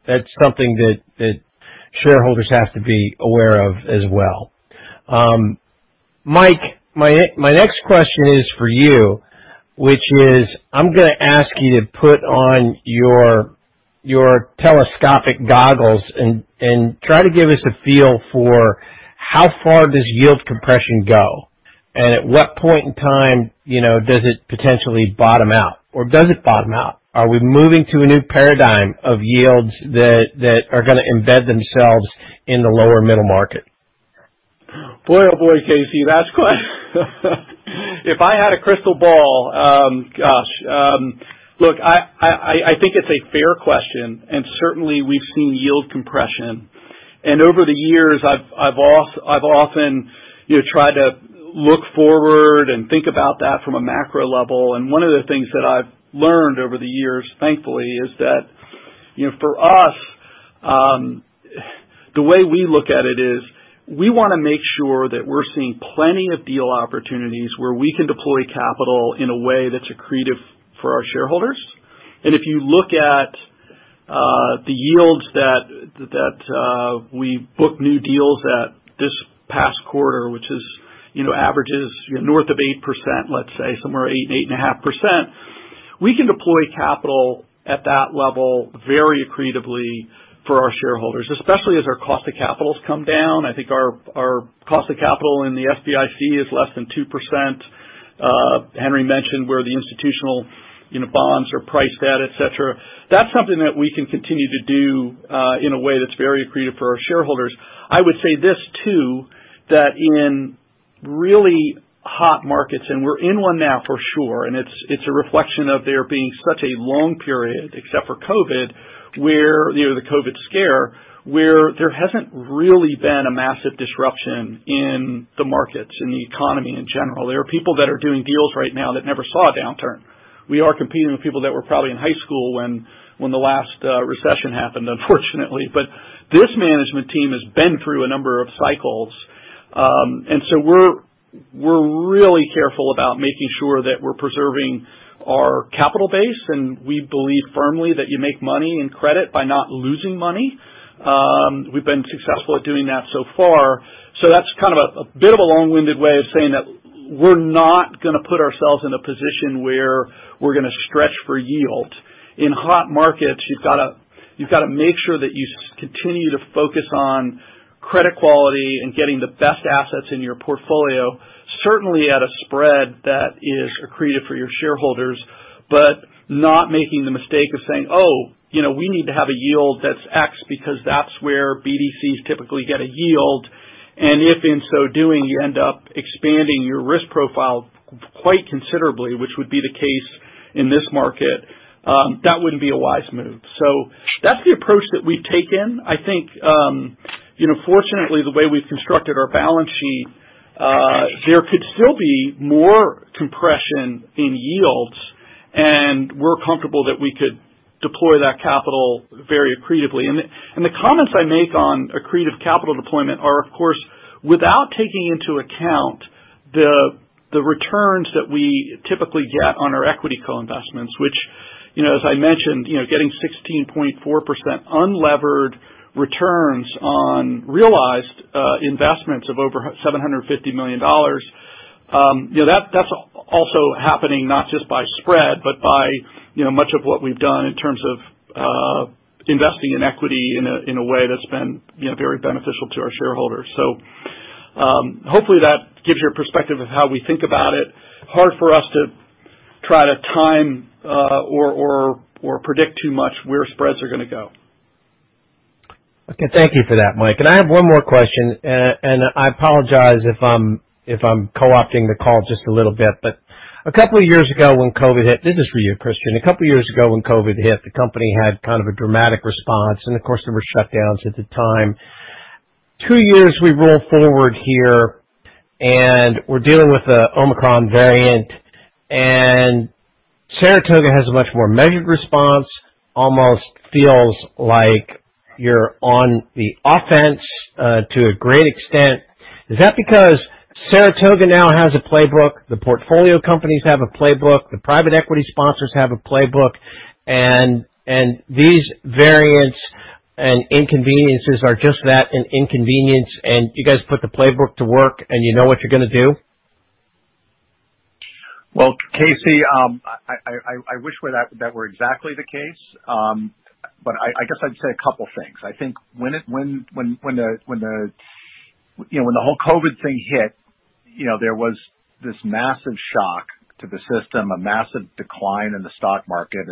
That's something that shareholders have to be aware of as well. Mike, my next question is for you, which is I'm gonna ask you to put on your telescopic goggles and try to give us a feel for how far does yield compression go, and at what point in time, you know, does it potentially bottom out? Or does it bottom out? Are we moving to a new paradigm of yields that are gonna embed themselves in the lower middle market? Boy, oh boy, Casey, that's quite. If I had a crystal ball, look, I think it's a fair question, and certainly we've seen yield compression. Over the years, I've often, you know, tried to look forward and think about that from a macro level. One of the things that I've learned over the years, thankfully, is that, you know, for us, the way we look at it is we wanna make sure that we're seeing plenty of deal opportunities where we can deploy capital in a way that's accretive for our shareholders. If you look at the yields that we book new deals at this past quarter, which is, you know, averages north of 8%, let's say somewhere 8.5%. We can deploy capital at that level very accretively for our shareholders, especially as our cost of capital's come down. I think our cost of capital in the SBIC is less than 2%. Henri mentioned where the institutional, you know, bonds are priced at, et cetera. That's something that we can continue to do, in a way that's very accretive for our shareholders. I would say this too, that in really hot markets, and we're in one now for sure, and it's a reflection of there being such a long period, except for COVID, where, you know, the COVID scare, where there hasn't really been a massive disruption in the markets, in the economy in general. There are people that are doing deals right now that never saw a downturn. We are competing with people that were probably in high school when the last recession happened, unfortunately. This management team has been through a number of cycles. We're really careful about making sure that we're preserving our capital base, and we believe firmly that you make money in credit by not losing money. We've been successful at doing that so far. That's kind of a bit of a long-winded way of saying that we're not gonna put ourselves in a position where we're gonna stretch for yield. In hot markets, you've gotta make sure that you continue to focus on credit quality and getting the best assets in your portfolio, certainly at a spread that is accretive for your shareholders, but not making the mistake of saying, oh, you know, we need to have a yield that's X because that's where BDCs typically get a yield. If in so doing, you end up expanding your risk profile quite considerably, which would be the case in this market, that wouldn't be a wise move. That's the approach that we've taken. I think, you know, fortunately, the way we've constructed our balance sheet, there could still be more compression in yields, and we're comfortable that we could deploy that capital very accretively. The comments I make on accretive capital deployment are, of course, without taking into account the returns that we typically get on our equity co-investments, which, you know, as I mentioned, you know, getting 16.4% unlevered returns on realized investments of over $750 million. You know, that's also happening not just by spread, but by, you know, much of what we've done in terms of investing in equity in a way that's been, you know, very beneficial to our shareholders. Hopefully that gives you a perspective of how we think about it. It's hard for us to try to time or predict too much where spreads are gonna go. Okay. Thank you for that, Mike. I have one more question, and I apologize if I'm co-opting the call just a little bit. A couple of years ago, when COVID hit. This is for you, Christian. A couple of years ago, when COVID hit, the company had kind of a dramatic response, and of course, there were shutdowns at the time. Two years we roll forward here, and we're dealing with the Omicron variant, and Saratoga has a much more measured response. Almost feels like you're on the offense, to a great extent. Is that because Saratoga now has a playbook, the portfolio companies have a playbook, the private equity sponsors have a playbook, and these variants and inconveniences are just that, an inconvenience, and you guys put the playbook to work and you know what you're gonna do? Well, Casey, I wish that were exactly the case. I guess I'd say a couple things. I think when the whole COVID thing hit, you know, there was this massive shock to the system, a massive decline in the stock market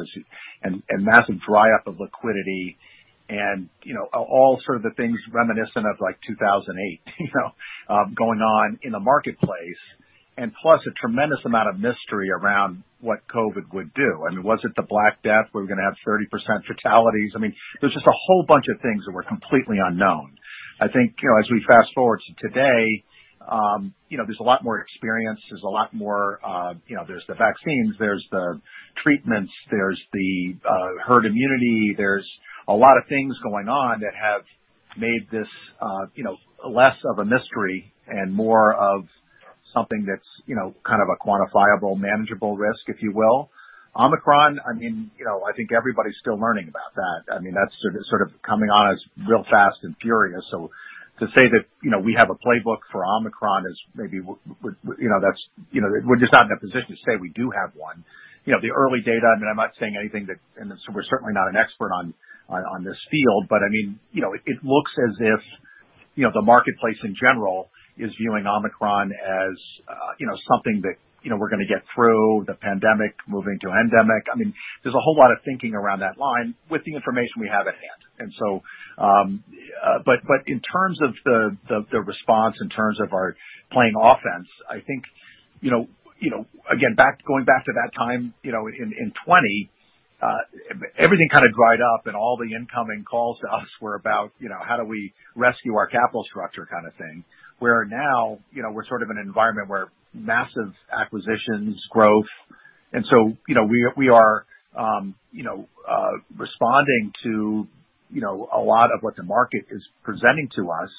and massive dry up of liquidity. You know, all sorts of things reminiscent of like 2008, you know, going on in the marketplace. Plus a tremendous amount of mystery around what COVID would do. I mean, was it the Black Death, where we're gonna have 30% fatalities? I mean, there's just a whole bunch of things that were completely unknown. I think, you know, as we fast-forward to today, you know, there's a lot more experience, there's a lot more, you know, there's the vaccines, there's the treatments, there's the, herd immunity. There's a lot of things going on that have made this, you know, less of a mystery and more of something that's, you know, kind of a quantifiable, manageable risk, if you will. Omicron, I mean, you know, I think everybody's still learning about that. I mean, that's sort of coming on us real fast and furious. To say that, you know, we have a playbook for Omicron is maybe you know, that's, you know, we're just not in a position to say we do have one. You know, the early data, I mean, I'm not saying anything that. We're certainly not an expert on this field, but I mean, you know, it looks as if, you know, the marketplace in general is viewing Omicron as, you know, something that, you know, we're gonna get through the pandemic, moving to endemic. I mean, there's a whole lot of thinking around that line with the information we have at hand. But in terms of the response in terms of our playing offense, I think, you know, again, going back to that time, you know, in 2020, everything kind of dried up and all the incoming calls to us were about, you know, how do we rescue our capital structure kind of thing. Where now, you know, we're sort of an environment where massive acquisitions, growth. you know, we are, you know, responding to, you know, a lot of what the market is presenting to us,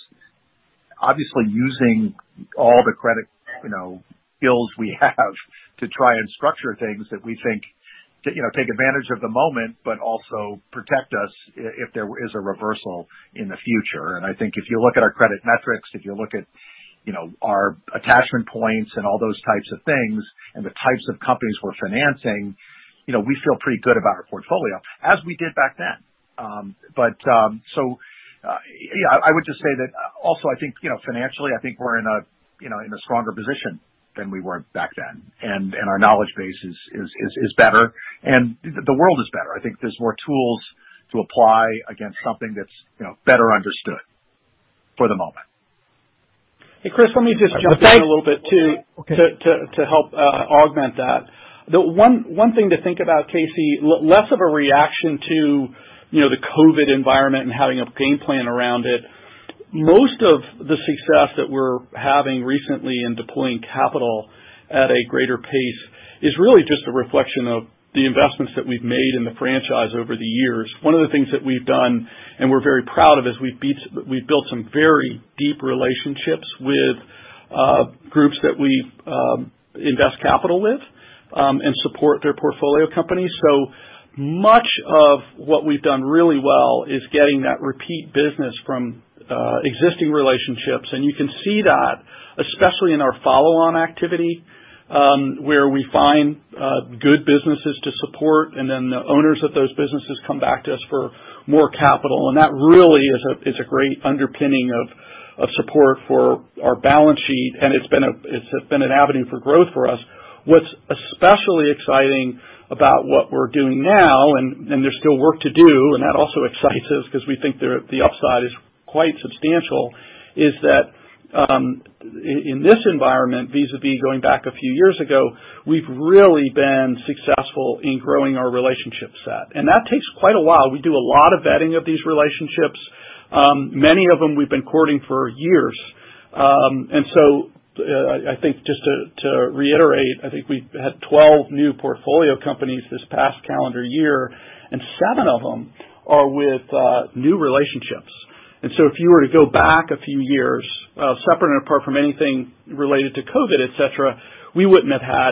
obviously using all the credit, you know, skills we have to try and structure things that we think, you know, take advantage of the moment, but also protect us if there is a reversal in the future. I think if you look at our credit metrics, if you look at, you know, our attachment points and all those types of things and the types of companies we're financing, you know, we feel pretty good about our portfolio as we did back then. yeah, I would just say that also I think, you know, financially, I think we're in a, you know, in a stronger position than we were back then. Our knowledge base is better and the world is better. I think there's more tools to apply against something that's, you know, better understood for the moment. Hey, Chris, let me just jump in a little bit too. Okay. To help augment that. The one thing to think about, Casey, less of a reaction to the COVID environment and having a game plan around it. Most of the success that we're having recently in deploying capital at a greater pace is really just a reflection of the investments that we've made in the franchise over the years. One of the things that we've done, and we're very proud of, is we've built some very deep relationships with groups that we invest capital with and support their portfolio companies. So much of what we've done really well is getting that repeat business from existing relationships. You can see that, especially in our follow-on activity, where we find good businesses to support and then the owners of those businesses come back to us for more capital. That really is a great underpinning of support for our balance sheet, and it's been an avenue for growth for us. What's especially exciting about what we're doing now, and there's still work to do, and that also excites us because we think the upside is quite substantial, is that in this environment, vis-a-vis going back a few years ago, we've really been successful in growing our relationship set. That takes quite a while. We do a lot of vetting of these relationships. Many of them we've been courting for years. I think just to reiterate, I think we've had 12 new portfolio companies this past calendar year, and seven of them are with new relationships. If you were to go back a few years, separate and apart from anything related to COVID, et cetera, we wouldn't have had,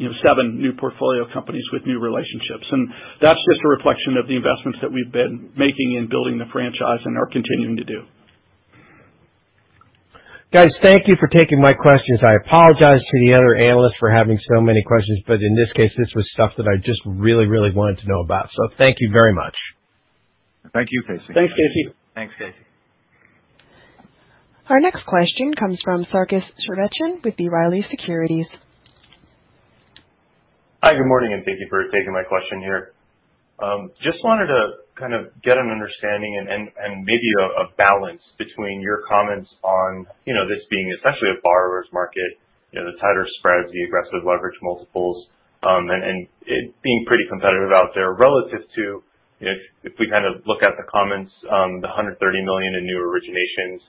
you know, seven new portfolio companies with new relationships. That's just a reflection of the investments that we've been making in building the franchise and are continuing to do. Guys, thank you for taking my questions. I apologize to the other analysts for having so many questions, but in this case, this was stuff that I just really, really wanted to know about. Thank you very much. Thank you, Casey. Thanks, Casey. Thanks, Casey. Our next question comes from Sarkis Sherbetchyan with B. Riley Securities. Hi, good morning, and thank you for taking my question here. Just wanted to kind of get an understanding and maybe a balance between your comments on, you know, this being essentially a borrower's market, you know, the tighter spreads, the aggressive leverage multiples, and it being pretty competitive out there relative to if we kind of look at the comments, the $130 million in new originations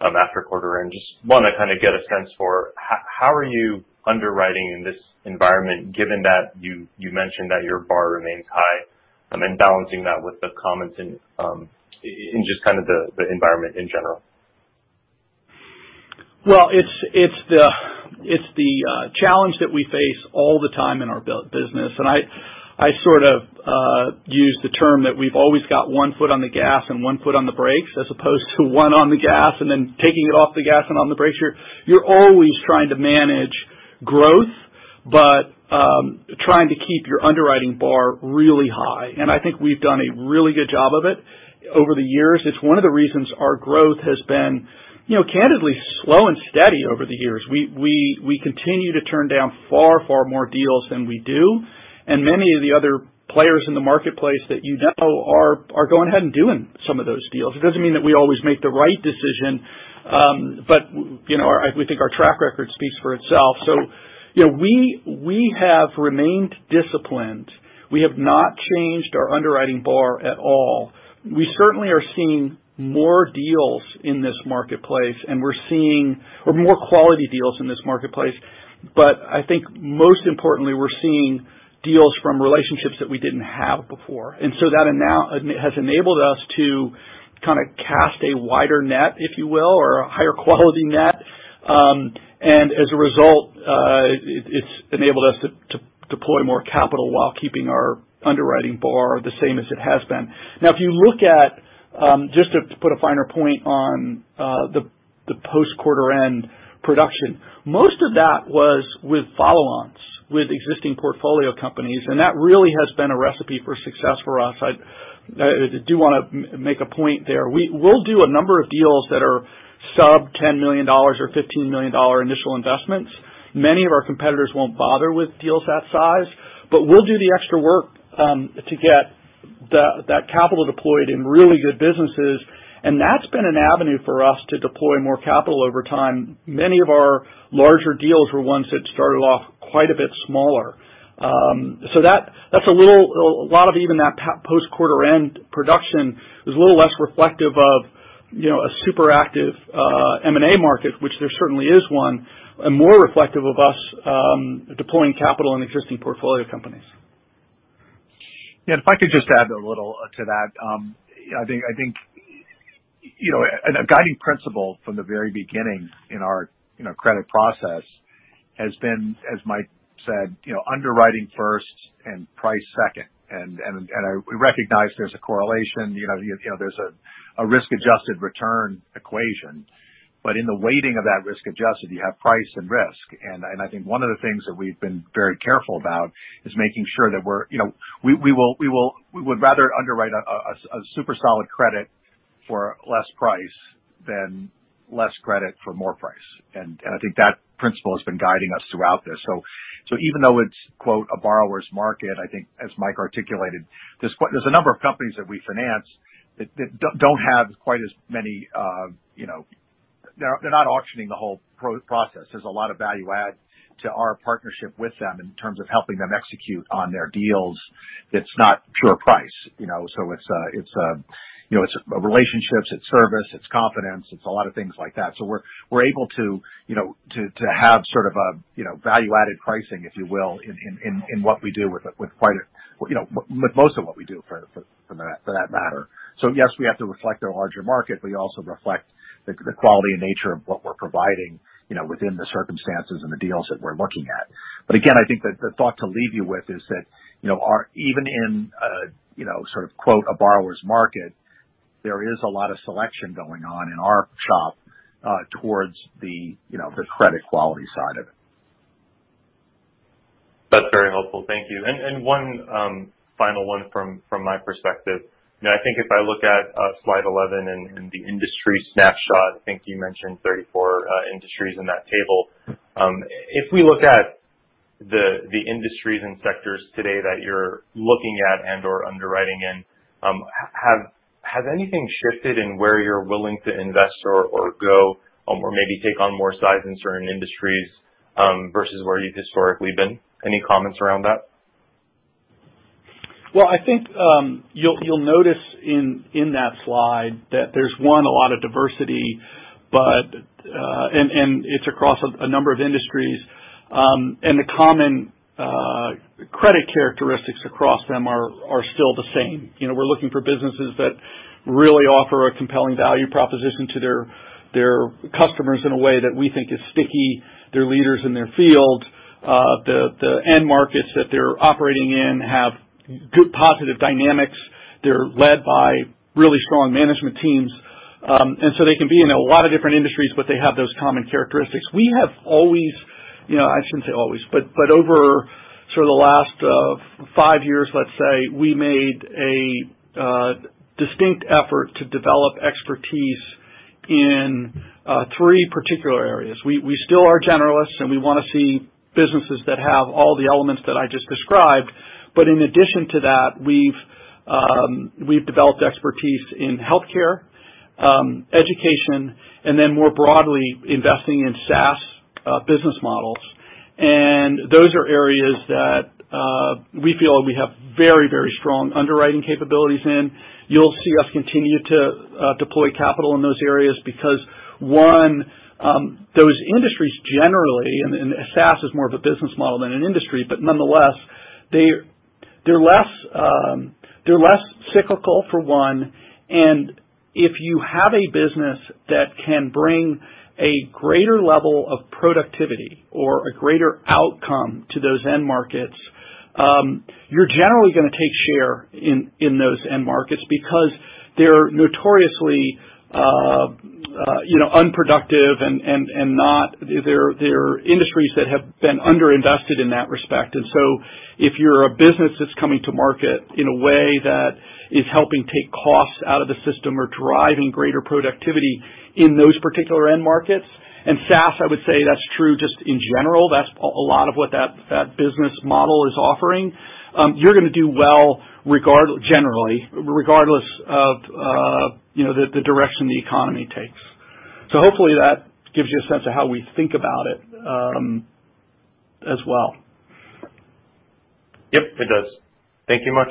after quarter end. Just want to kind of get a sense for how are you underwriting in this environment given that you mentioned that your bar remains high, and balancing that with the comments in just kind of the environment in general? Well, it's the challenge that we face all the time in our business. I sort of use the term that we've always got one foot on the gas and one foot on the brakes as opposed to one on the gas and then taking it off the gas and on the brakes. You're always trying to manage growth, but trying to keep your underwriting bar really high. I think we've done a really good job of it over the years. It's one of the reasons our growth has been, you know, candidly slow and steady over the years. We continue to turn down far more deals than we do. Many of the other players in the marketplace that you know are going ahead and doing some of those deals. It doesn't mean that we always make the right decision, but, you know, we think our track record speaks for itself. You know, we have remained disciplined. We have not changed our underwriting bar at all. We certainly are seeing more deals in this marketplace, and we're seeing higher quality deals in this marketplace. I think most importantly, we're seeing deals from relationships that we didn't have before. That now has enabled us to kind of cast a wider net, if you will, or a higher quality net. As a result, it's enabled us to deploy more capital while keeping our underwriting bar the same as it has been. Now, if you look at just to put a finer point on the post-quarter end production, most of that was with follow-ons, with existing portfolio companies, and that really has been a recipe for success for us. I do want to make a point there. We'll do a number of deals that are sub-$10 million or $15 million initial investments. Many of our competitors won't bother with deals that size, but we'll do the extra work to get that capital deployed in really good businesses, and that's been an avenue for us to deploy more capital over time. Many of our larger deals were ones that started off quite a bit smaller. That's a lot of even that post quarter end production is a little less reflective of, you know, a super active M and A market, which there certainly is one, and more reflective of us deploying capital in existing portfolio companies. Yeah, if I could just add a little to that. I think you know, a guiding principle from the very beginning in our you know, credit process has been, as Mike said, you know, underwriting first and price second. We recognize there's a correlation you know, you know, there's a risk-adjusted return equation. But in the weighting of that risk-adjusted, you have price and risk. I think one of the things that we've been very careful about is making sure that we're you know, we would rather underwrite a super solid credit for less price than less credit for more price. I think that principle has been guiding us throughout this. Even though it's, quote, a borrower's market, I think as Mike articulated, there's a number of companies that we finance that don't have quite as many, you know. They're not auctioning the whole process. There's a lot of value add to our partnership with them in terms of helping them execute on their deals. It's not pure price, you know. It's relationships, it's service, it's confidence, it's a lot of things like that. We're able to, you know, have sort of a, you know, value-added pricing, if you will, in what we do with quite a, you know, with most of what we do for that matter. Yes, we have to reflect our larger market, but we also reflect the quality and nature of what we're providing, you know, within the circumstances and the deals that we're looking at. Again, I think the thought to leave you with is that, you know, our even in a, you know, sort of, quote, a borrower's market, there is a lot of selection going on in our shop, towards the, you know, the credit quality side of it. That's very helpful. Thank you. One final one from my perspective. You know, I think if I look at slide 11 and the industry snapshot, I think you mentioned 34 industries in that table. If we look at the industries and sectors today that you're looking at and/or underwriting in, has anything shifted in where you're willing to invest or go or maybe take on more size in certain industries versus where you've historically been? Any comments around that? Well, I think you'll notice in that slide that there's a lot of diversity, but it's across a number of industries, and the common credit characteristics across them are still the same. You know, we're looking for businesses that really offer a compelling value proposition to their customers in a way that we think is sticky. They're leaders in their field. The end markets that they're operating in have good positive dynamics. They're led by really strong management teams. They can be in a lot of different industries, but they have those common characteristics. We have always, you know, I shouldn't say always, but over sort of the last five years, let's say, we made a distinct effort to develop expertise in three particular areas. We still are generalists, and we wanna see businesses that have all the elements that I just described. In addition to that, we've developed expertise in healthcare, education, and then more broadly, investing in SaaS business models. Those are areas that we feel we have very, very strong underwriting capabilities in. You'll see us continue to deploy capital in those areas because one, those industries generally, and SaaS is more of a business model than an industry, but nonetheless, they're less cyclical for one, and if you have a business that can bring a greater level of productivity or a greater outcome to those end markets, you're generally gonna take share in those end markets because they're notoriously, you know, unproductive and not. They're industries that have been under-invested in that respect. If you're a business that's coming to market in a way that is helping take costs out of the system or driving greater productivity in those particular end markets, and SaaS, I would say that's true just in general. That's a lot of what that business model is offering. You're gonna do well generally, regardless of, you know, the direction the economy takes. Hopefully that gives you a sense of how we think about it, as well. Yep, it does. Thank you much.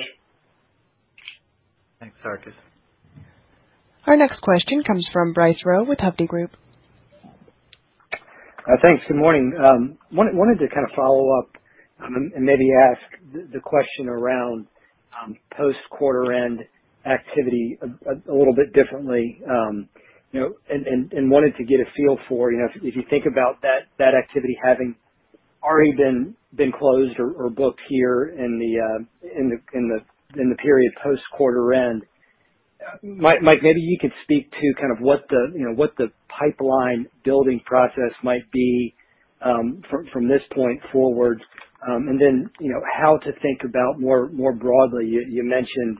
Thanks, Sarkis. Our next question comes from Bryce Rowe with Hovde Group. Thanks. Good morning. Wanted to kind of follow up and maybe ask the question around post-quarter end activity a little bit differently. Wanted to get a feel for, you know, if you think about that activity having already been closed or booked here in the period post-quarter end. Mike, maybe you could speak to kind of what the pipeline building process might be from this point forward. Then, you know, how to think about more broadly. You mentioned,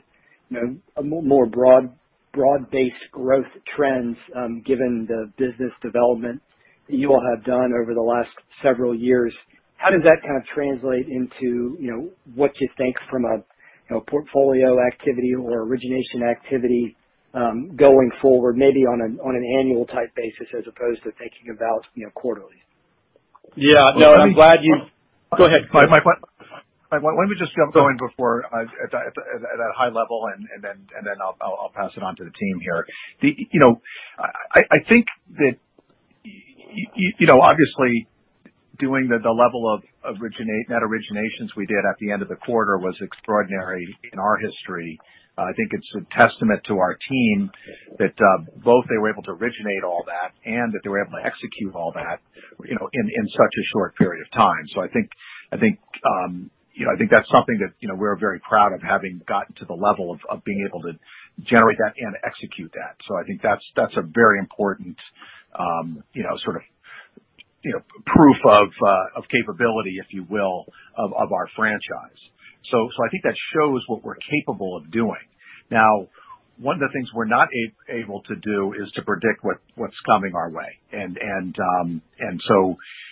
you know, a more broad-based growth trends given the business development that you all have done over the last several years. How does that kind of translate into, you know, what you think from a, you know, portfolio activity or origination activity, going forward, maybe on an annual type basis as opposed to thinking about, you know, quarterly? Yeah. No, I'm glad you. Mike, let me just go in at that high level and then I'll pass it on to the team here. You know, I think that you know, obviously doing the level of net originations we did at the end of the quarter was extraordinary in our history. I think it's a testament to our team that both they were able to originate all that and that they were able to execute all that, you know, in such a short period of time. I think that's something that you know, we're very proud of having gotten to the level of being able to generate that and execute that. I think that's a very important, you know, sort of, you know, proof of capability, if you will, of our franchise. I think that shows what we're capable of doing. Now, one of the things we're not able to do is to predict what's coming our way.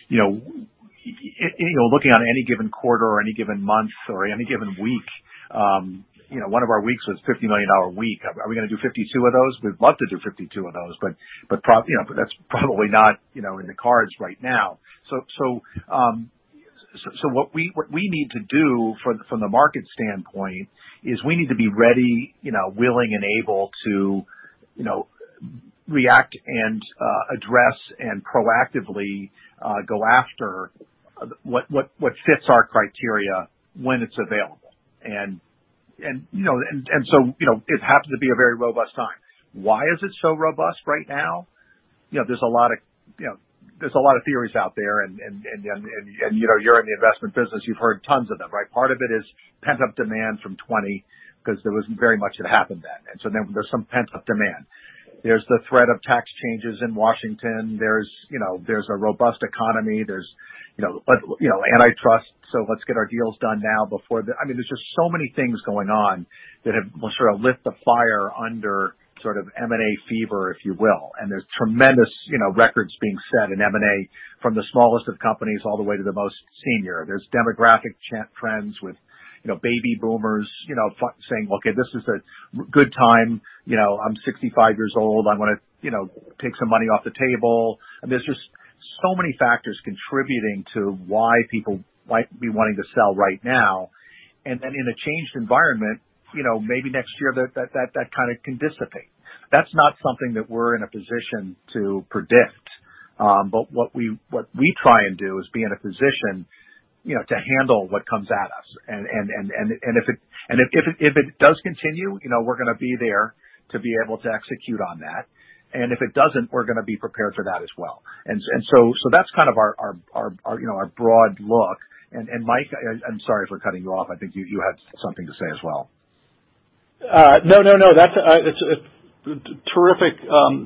You know, looking on any given quarter or any given month or any given week, you know, one of our weeks was $50 million week. Are we gonna do 52 of those? We'd love to do 52 of those, you know, but that's probably not, you know, in the cards right now. What we need to do from the market standpoint is we need to be ready, you know, willing and able to, you know, react and address and proactively go after what fits our criteria when it's available. It happened to be a very robust time. Why is it so robust right now? You know, there's a lot of theories out there, you know, you're in the investment business, you've heard tons of them, right? Part of it is pent-up demand from 2020 because there wasn't very much that happened then. There's some pent-up demand. There's the threat of tax changes in Washington. There's, you know, a robust economy. You know, antitrust, so let's get our deals done now before the. I mean, there's just so many things going on that have sort of lit the fire under sort of M and A fever, if you will. There's tremendous, you know, records being set in M and A from the smallest of companies all the way to the most senior. There's demographic trends with, you know, baby boomers, you know, saying, "Okay, this is a really good time. You know, I'm 65 years old. I wanna, you know, take some money off the table." There's just so many factors contributing to why people might be wanting to sell right now. In a changed environment, you know, maybe next year that kind of can dissipate. That's not something that we're in a position to predict. What we try and do is be in a position, you know, to handle what comes at us. If it does continue, you know, we're gonna be there to be able to execute on that. If it doesn't, we're gonna be prepared for that as well. That's kind of our, you know, our broad look. Mike, I'm sorry for cutting you off. I think you had something to say as well. No. That's it a terrific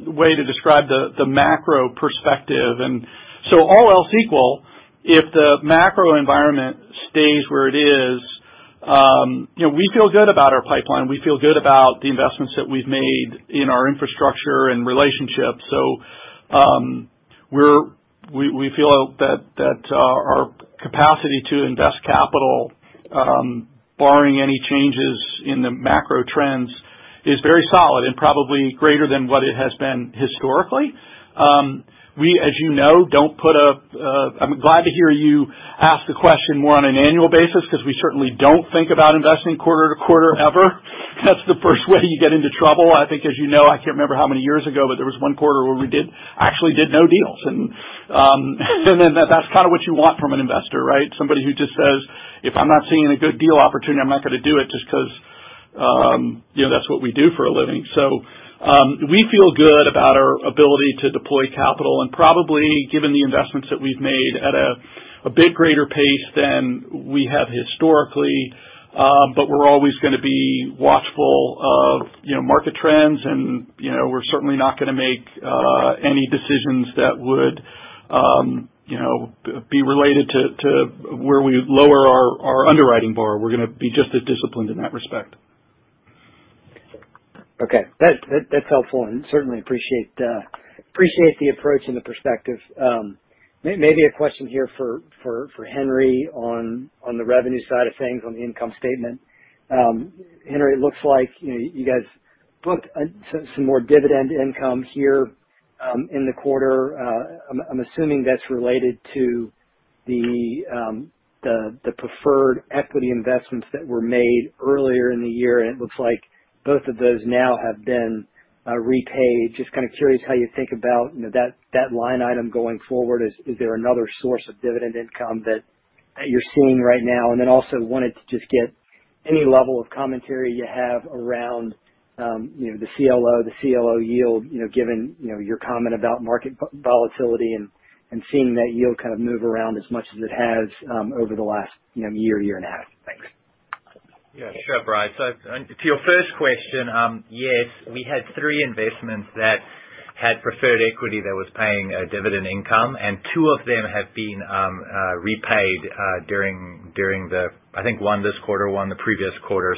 way to describe the macro perspective. All else equal, if the macro environment stays where it is, you know, we feel good about our pipeline. We feel good about the investments that we've made in our infrastructure and relationships. We feel that our capacity to invest capital, barring any changes in the macro trends, is very solid and probably greater than what it has been historically. As you know, I'm glad to hear you ask the question more on an annual basis because we certainly don't think about investing quarter to quarter ever. That's the first way you get into trouble. I think as you know, I can't remember how many years ago, but there was one quarter where we did actually no deals. That's kind of what you want from an investor, right? Somebody who just says, "If I'm not seeing a good deal opportunity, I'm not gonna do it just 'cause you know, that's what we do for a living." We feel good about our ability to deploy capital and probably, given the investments that we've made at a bit greater pace than we have historically, we're always gonna be watchful of you know, market trends and, you know, we're certainly not gonna make any decisions that would you know, be related to where we lower our underwriting bar. We're gonna be just as disciplined in that respect. Okay. That's helpful, and certainly appreciate the approach and the perspective. Maybe a question here for Henri on the revenue side of things, on the income statement. Henri, it looks like, you know, you guys booked some more dividend income here in the quarter. I'm assuming that's related to the preferred equity investments that were made earlier in the year, and it looks like both of those now have been repaid. Just kind of curious how you think about, you know, that line item going forward. Is there another source of dividend income that you're seeing right now? Wanted to just get any level of commentary you have around, you know, the CLO, the CLO yield, you know, given, you know, your comment about market volatility and seeing that yield kind of move around as much as it has over the last year and a half. Thanks. Yeah, sure, Bryce. To your first question, yes, we had three investments that had preferred equity that was paying a dividend income, and two of them have been repaid during, I think one this quarter, one the previous quarter.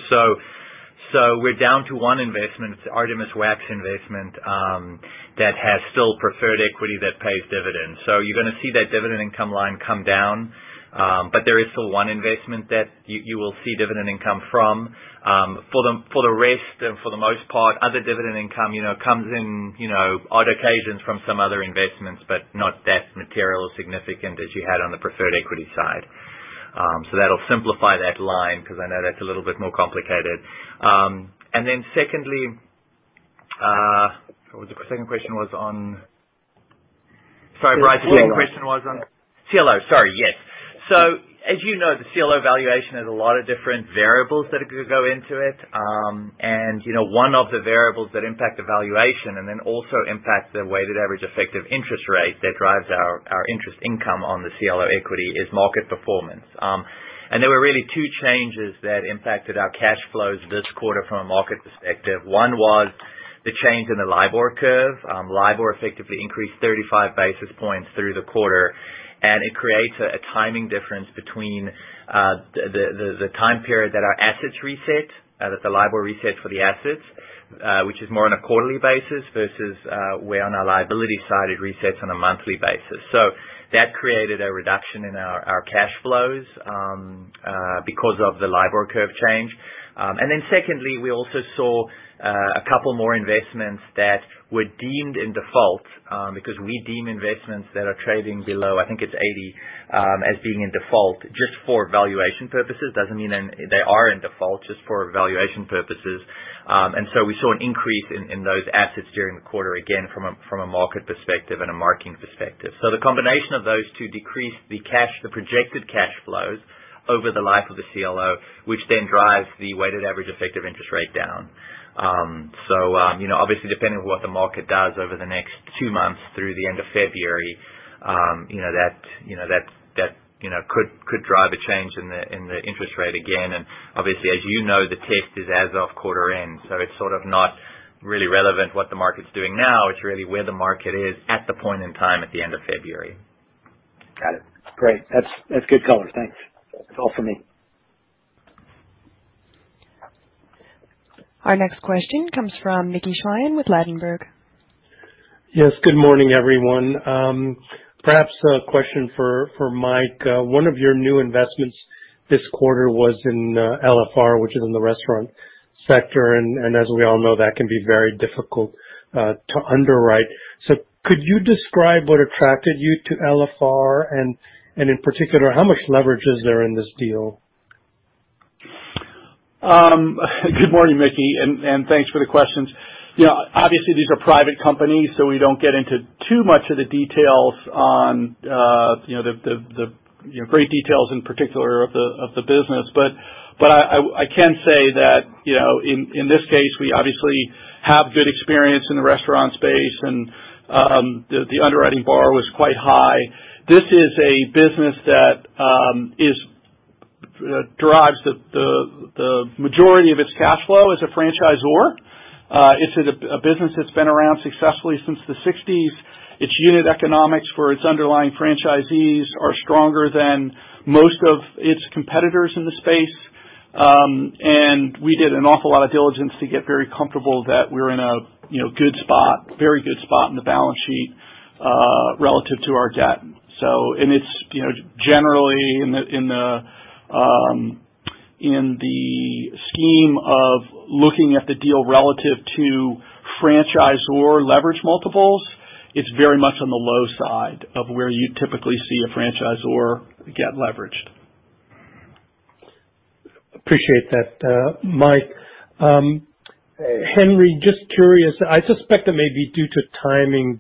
We're down to one investment, the Artemis Wax investment that has still preferred equity that pays dividends. You're gonna see that dividend income line come down, but there is still one investment that you will see dividend income from. For the rest and for the most part, other dividend income, you know, comes in, you know, on odd occasions from some other investments, but not that materially significant as you had on the preferred equity side. That'll simplify that line because I know that's a little bit more complicated. Secondly, what was the second question on? Sorry, Bryce. CLO. The second question was on CLO. Sorry, yes. As you know, the CLO valuation has a lot of different variables that could go into it. You know, one of the variables that impact the valuation and then also impact the weighted average effective interest rate that drives our interest income on the CLO equity is market performance. There were really two changes that impacted our cash flows this quarter from a market perspective. One was the change in the LIBOR curve. LIBOR effectively increased 35 basis points through the quarter. It creates a timing difference between the time period that our assets reset, that the LIBOR resets for the assets, which is more on a quarterly basis versus where on our liability side, it resets on a monthly basis. That created a reduction in our cash flows because of the LIBOR curve change. Secondly, we also saw a couple more investments that were deemed in default because we deem investments that are trading below 80 as being in default just for valuation purposes. Doesn't mean they are in default, just for valuation purposes. We saw an increase in those assets during the quarter, again from a market perspective and a marking perspective. The combination of those two decreased the projected cash flows over the life of the CLO, which then drives the weighted average effective interest rate down. You know, obviously depending on what the market does over the next two months through the end of February, you know, that could drive a change in the interest rate again. Obviously, as you know, the test is as of quarter end, so it's sort of not really relevant what the market's doing now. It's really where the market is at the point in time at the end of February. Got it. Great. That's good color. Thanks. That's all for me. Our next question comes from Mickey Schleien with Ladenburg. Yes, good morning, everyone. Perhaps a question for Mike. One of your new investments this quarter was in LFR, which is in the restaurant sector. As we all know, that can be very difficult to underwrite. Could you describe what attracted you to LFR? In particular, how much leverage is there in this deal? Good morning, Mickey, and thanks for the questions. You know, obviously these are private companies, so we don't get into too much of the details on, you know, the great details in particular of the business. I can say that, you know, in this case, we obviously have good experience in the restaurant space and the underwriting bar was quite high. This is a business that derives the majority of its cash flow as a franchisor. It's a business that's been around successfully since the sixties. Its unit economics for its underlying franchisees are stronger than most of its competitors in the space. We did an awful lot of diligence to get very comfortable that we're in a, you know, good spot, very good spot in the balance sheet relative to our debt. It's, you know, generally in the scheme of looking at the deal relative to franchisor leverage multiples, it's very much on the low side of where you typically see a franchisor get leveraged. Appreciate that, Mike. Henri, just curious, I suspect it may be due to timing,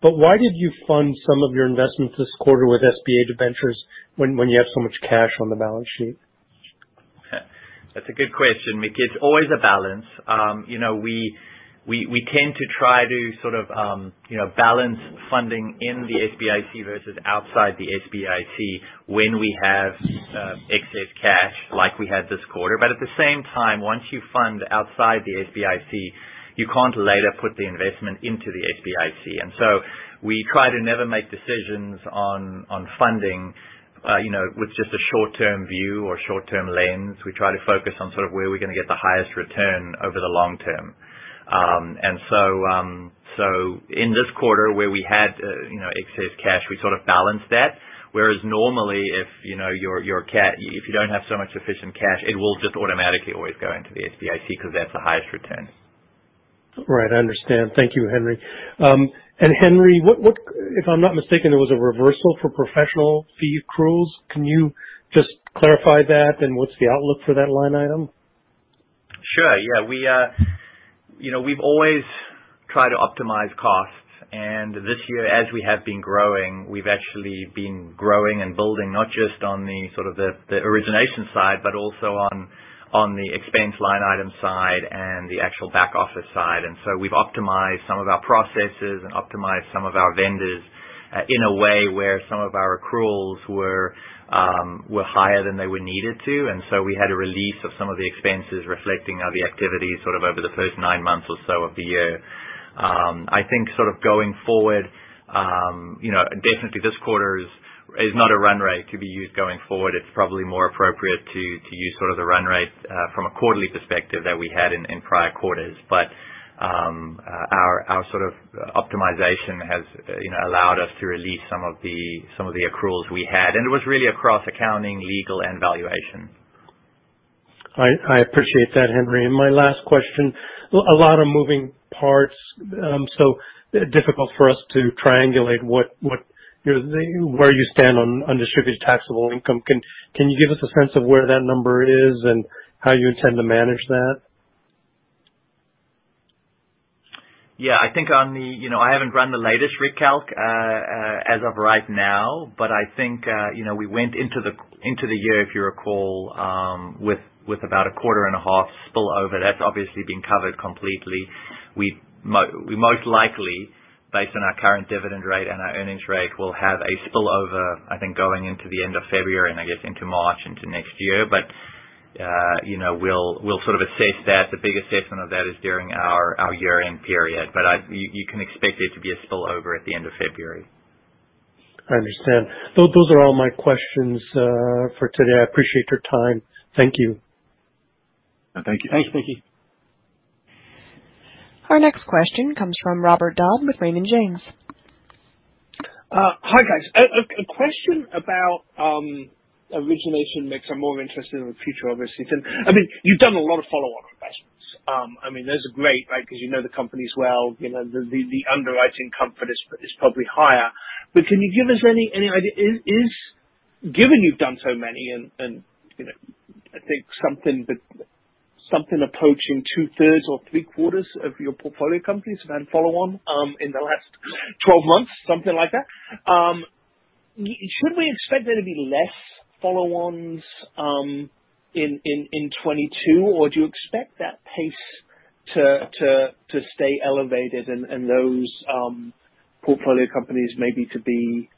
but why did you fund some of your investments this quarter with SBA debentures when you have so much cash on the balance sheet? That's a good question, Mick. It's always a balance. You know, we tend to try to sort of, you know, balance funding in the SBIC versus outside the SBIC when we have excess cash like we had this quarter. At the same time, once you fund outside the SBIC, you can't later put the investment into the SBIC. We try to never make decisions on funding, you know, with just a short-term view or short-term lens. We try to focus on sort of where we're gonna get the highest return over the long term. In this quarter where we had excess cash, we sort of balanced that. Whereas normally if you don't have so much excess cash, it will just automatically always go into the SBIC because that's the highest return. Right. I understand. Thank you, Henri. Henri, what if I'm not mistaken, there was a reversal for professional fee accruals. Can you just clarify that? What's the outlook for that line item? Sure. Yeah. We, you know, we've always tried to optimize costs. This year, as we have been growing, we've actually been growing and building not just on the origination side, but also on the expense line item side and the actual back office side. We've optimized some of our processes and optimized some of our vendors in a way where some of our accruals were higher than they were needed to. We had a release of some of the expenses reflecting now the activity over the first nine months or so of the year. I think going forward, you know, definitely this quarter is not a run rate to be used going forward. It's probably more appropriate to use sort of the run rate from a quarterly perspective that we had in prior quarters. Our sort of optimization has, you know, allowed us to release some of the accruals we had. It was really across accounting, legal, and valuation. I appreciate that, Henri. My last question. A lot of moving parts, so difficult for us to triangulate what you know where you stand on undistributed taxable income. Can you give us a sense of where that number is and how you intend to manage that? Yeah, I think on the, you know, I haven't run the latest recalc as of right now. I think, you know, we went into the year, if you recall, with about a quarter and a half spillover. That's obviously been covered completely. We most likely, based on our current dividend rate and our earnings rate, will have a spillover, I think, going into the end of February and I guess into March into next year. You know, we'll sort of assess that. The big assessment of that is during our year-end period. You can expect there to be a spillover at the end of February. I understand. Those are all my questions for today. I appreciate your time. Thank you. Thank you. Thanks, Mickey. Our next question comes from Robert Dodd with Raymond James. Hi, guys. A question about origination mix. I'm more interested in the future, obviously. I mean, you've done a lot of follow-on investments. I mean, those are great, right? Because you know the companies well. You know, the underwriting comfort is probably higher. But can you give us any idea given you've done so many and you know, I think something approaching two-thirds or three-quarters of your portfolio companies have had follow-on in the last 12 months, something like that. Should we expect there to be less follow-ons in 2022? Or do you expect that pace to stay elevated and those portfolio companies maybe to be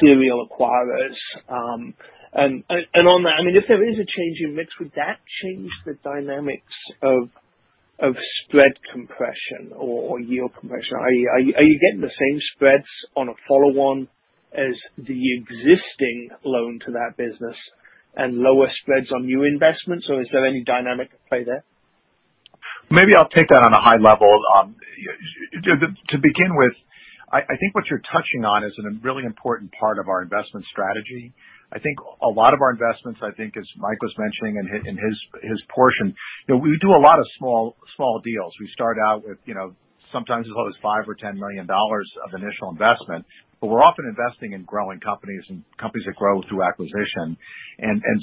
serial acquirers? On that, I mean, if there is a change in mix, would that change the dynamics of spread compression or yield compression? Are you getting the same spreads on a follow-on as the existing loan to that business and lower spreads on new investments? Or is there any dynamic at play there? Maybe I'll take that on a high level. To begin with, I think what you're touching on is a really important part of our investment strategy. I think a lot of our investments, I think, as Mike was mentioning in his portion, you know, we do a lot of small deals. We start out with, you know, sometimes as low as $5 million or $10 million of initial investment. We're often investing in growing companies and companies that grow through acquisition.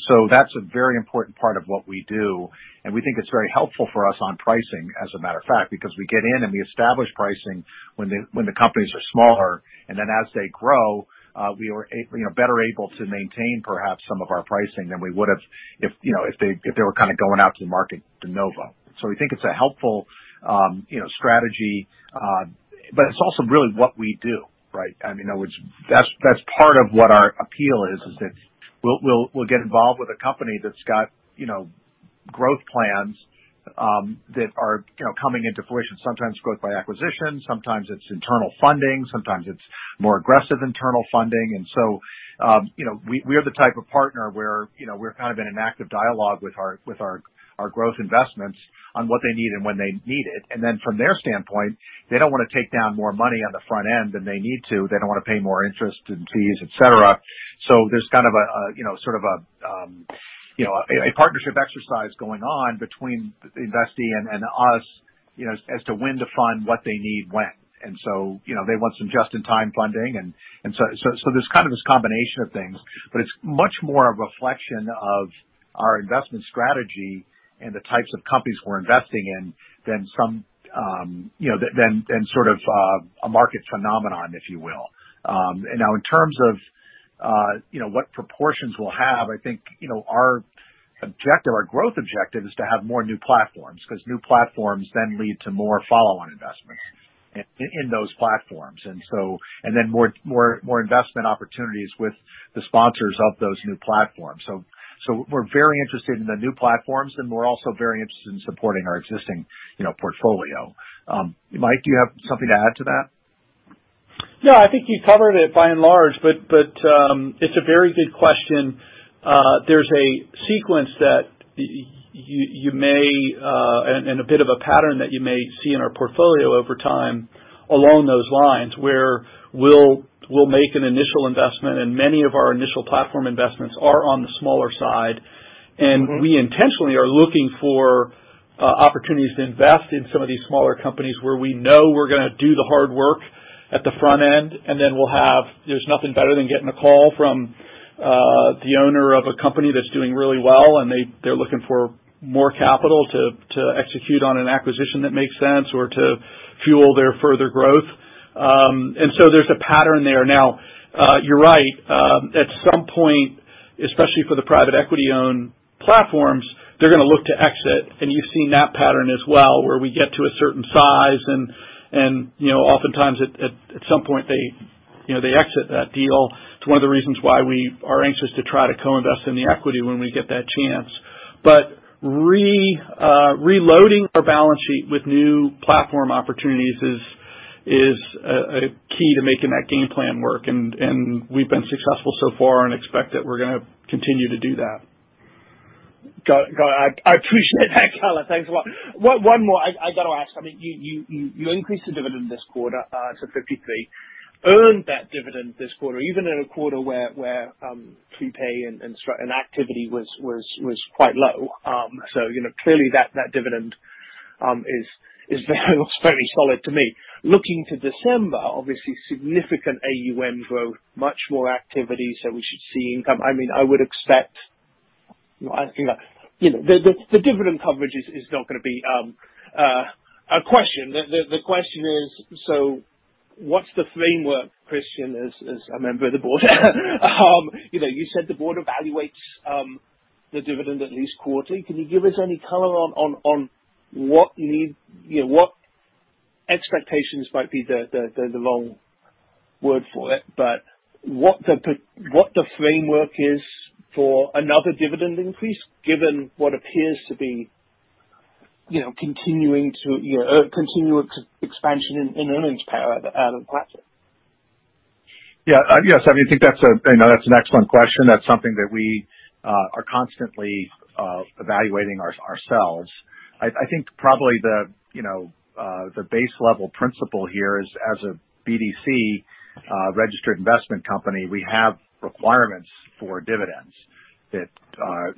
So that's a very important part of what we do. We think it's very helpful for us on pricing as a matter of fact, because we get in and we establish pricing when the companies are smaller. As they grow, you know, better able to maintain perhaps some of our pricing than we would've if, you know, if they were kind of going out to the market de novo. We think it's a helpful, you know, strategy, but it's also really what we do, right? I mean, that's part of what our appeal is, that we'll get involved with a company that's got, you know, growth plans that are, you know, coming into fruition. Sometimes growth by acquisition, sometimes it's internal funding, sometimes it's more aggressive internal funding. We are the type of partner where, you know, we're kind of in an active dialogue with our growth investments on what they need and when they need it. From their standpoint, they don't wanna take down more money on the front end than they need to. They don't wanna pay more interest and fees, et cetera. There's kind of a you know, sort of a partnership exercise going on between the investee and us, you know, as to when to fund what they need when. You know, they want some just-in-time funding and so there's kind of this combination of things. It's much more a reflection of our investment strategy and the types of companies we're investing in than some you know, than sort of a market phenomenon, if you will. Now in terms of, you know, what proportions we'll have, I think, you know, our objective, our growth objective is to have more new platforms because new platforms then lead to more follow-on investments in those platforms. Then more investment opportunities with the sponsors of those new platforms. We're very interested in the new platforms, and we're also very interested in supporting our existing, you know, portfolio. Mike, do you have something to add to that? No, I think you covered it by and large. It's a very good question. There's a sequence that you may see and a bit of a pattern that you may see in our portfolio over time along those lines, where we'll make an initial investment, and many of our initial platform investments are on the smaller side. Mm-hmm. We intentionally are looking for opportunities to invest in some of these smaller companies where we know we're gonna do the hard work at the front end, and then we'll have. There's nothing better than getting a call from the owner of a company that's doing really well, and they're looking for more capital to execute on an acquisition that makes sense or to fuel their further growth. So there's a pattern there. Now, you're right. At some point, especially for the private equity-owned platforms, they're gonna look to exit. You've seen that pattern as well, where we get to a certain size and you know oftentimes at some point they you know they exit that deal. It's one of the reasons why we are anxious to try to co-invest in the equity when we get that chance. Reloading our balance sheet with new platform opportunities is key to making that game plan work. We've been successful so far and expect that we're gonna continue to do that. Got it. I appreciate that color. Thanks a lot. One more I gotta ask. I mean, you increased the dividend this quarter to 0.53. Earned that dividend this quarter, even in a quarter where prepay and activity was quite low. So, you know, clearly that dividend looks very solid to me. Looking to December, obviously significant AUM growth, much more activity, so we should see income. I mean, I would expect. You know, I think, you know, the dividend coverage is not gonna be a question. The question is, so what's the framework, Christian, as a member of the board? You know, you said the board evaluates the dividend at least quarterly. Can you give us any color on, you know, what expectations might be the long word for it, but what the framework is for another dividend increase given what appears to be, you know, continuing expansion in earnings per the platform? Yes, I mean, I think that's an excellent question. That's something that we are constantly evaluating ourselves. I think probably the base level principle here is, as a BDC, registered investment company, we have requirements for dividends that don't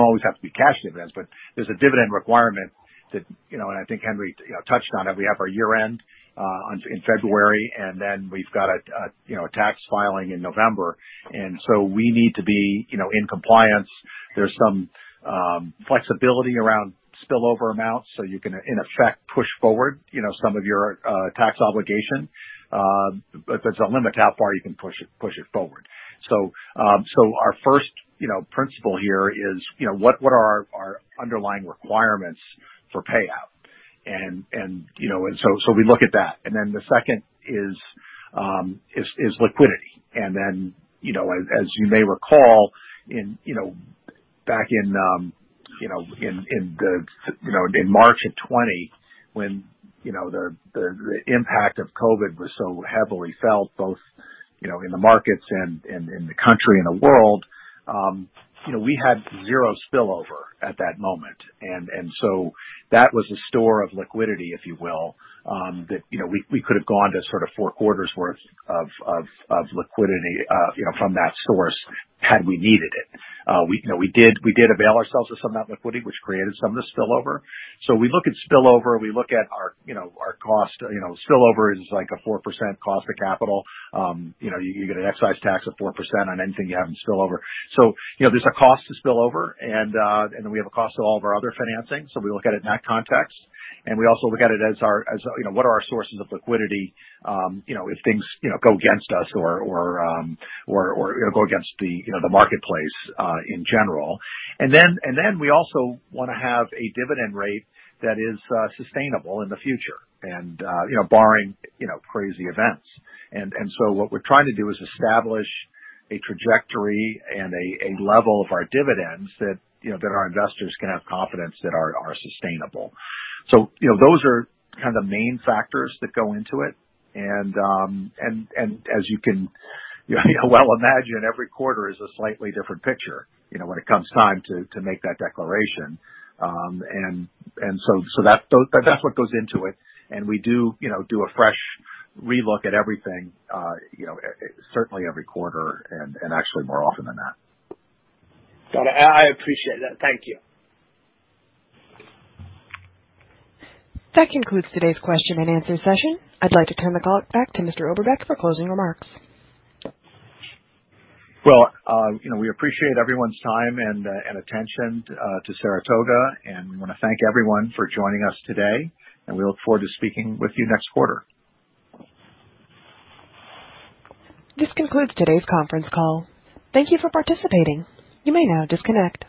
always have to be cash dividends, but there's a dividend requirement that, and I think Henri touched on it. We have our year-end in February, and then we've got a tax filing in November. We need to be in compliance. There's some flexibility around spillover amounts, so you can, in effect, push forward some of your tax obligation. But there's a limit to how far you can push it forward. Our first, you know, principle here is, you know, what are our underlying requirements for payout? You know, so we look at that. The second is liquidity. You know, as you may recall, back in, you know, in March of 2020 when, you know, the impact of COVID was so heavily felt both, you know, in the markets and in the country and the world, you know, we had zero spillover at that moment. That was a store of liquidity, if you will, that, you know, we could have gone to sort of four quarters worth of liquidity, you know, from that source had we needed it. We did avail ourselves of some of that liquidity, which created some of the spillover. We look at spillover, our cost. You know, spillover is like a 4% cost of capital. You know, you get an excise tax of 4% on anything you have in spillover. You know, there's a cost to spillover, and then we have a cost to all of our other financing. We look at it in that context. We also look at it as our sources of liquidity, you know, if things go against us or go against the marketplace in general. We also wanna have a dividend rate that is sustainable in the future and you know, barring you know, crazy events. What we're trying to do is establish a trajectory and a level of our dividends that you know, that our investors can have confidence that are sustainable. You know, those are kind of the main factors that go into it. As you can you know, well imagine, every quarter is a slightly different picture, you know, when it comes time to make that declaration. That's what goes into it. We do you know, do a fresh re-look at everything you know, certainly every quarter and actually more often than that. Got it. I appreciate that. Thank you. That concludes today's question and answer session. I'd like to turn the call back to Mr. Oberbeck for closing remarks. Well, you know, we appreciate everyone's time and attention to Saratoga, and we wanna thank everyone for joining us today, and we look forward to speaking with you next quarter. This concludes today's conference call. Thank you for participating. You may now disconnect.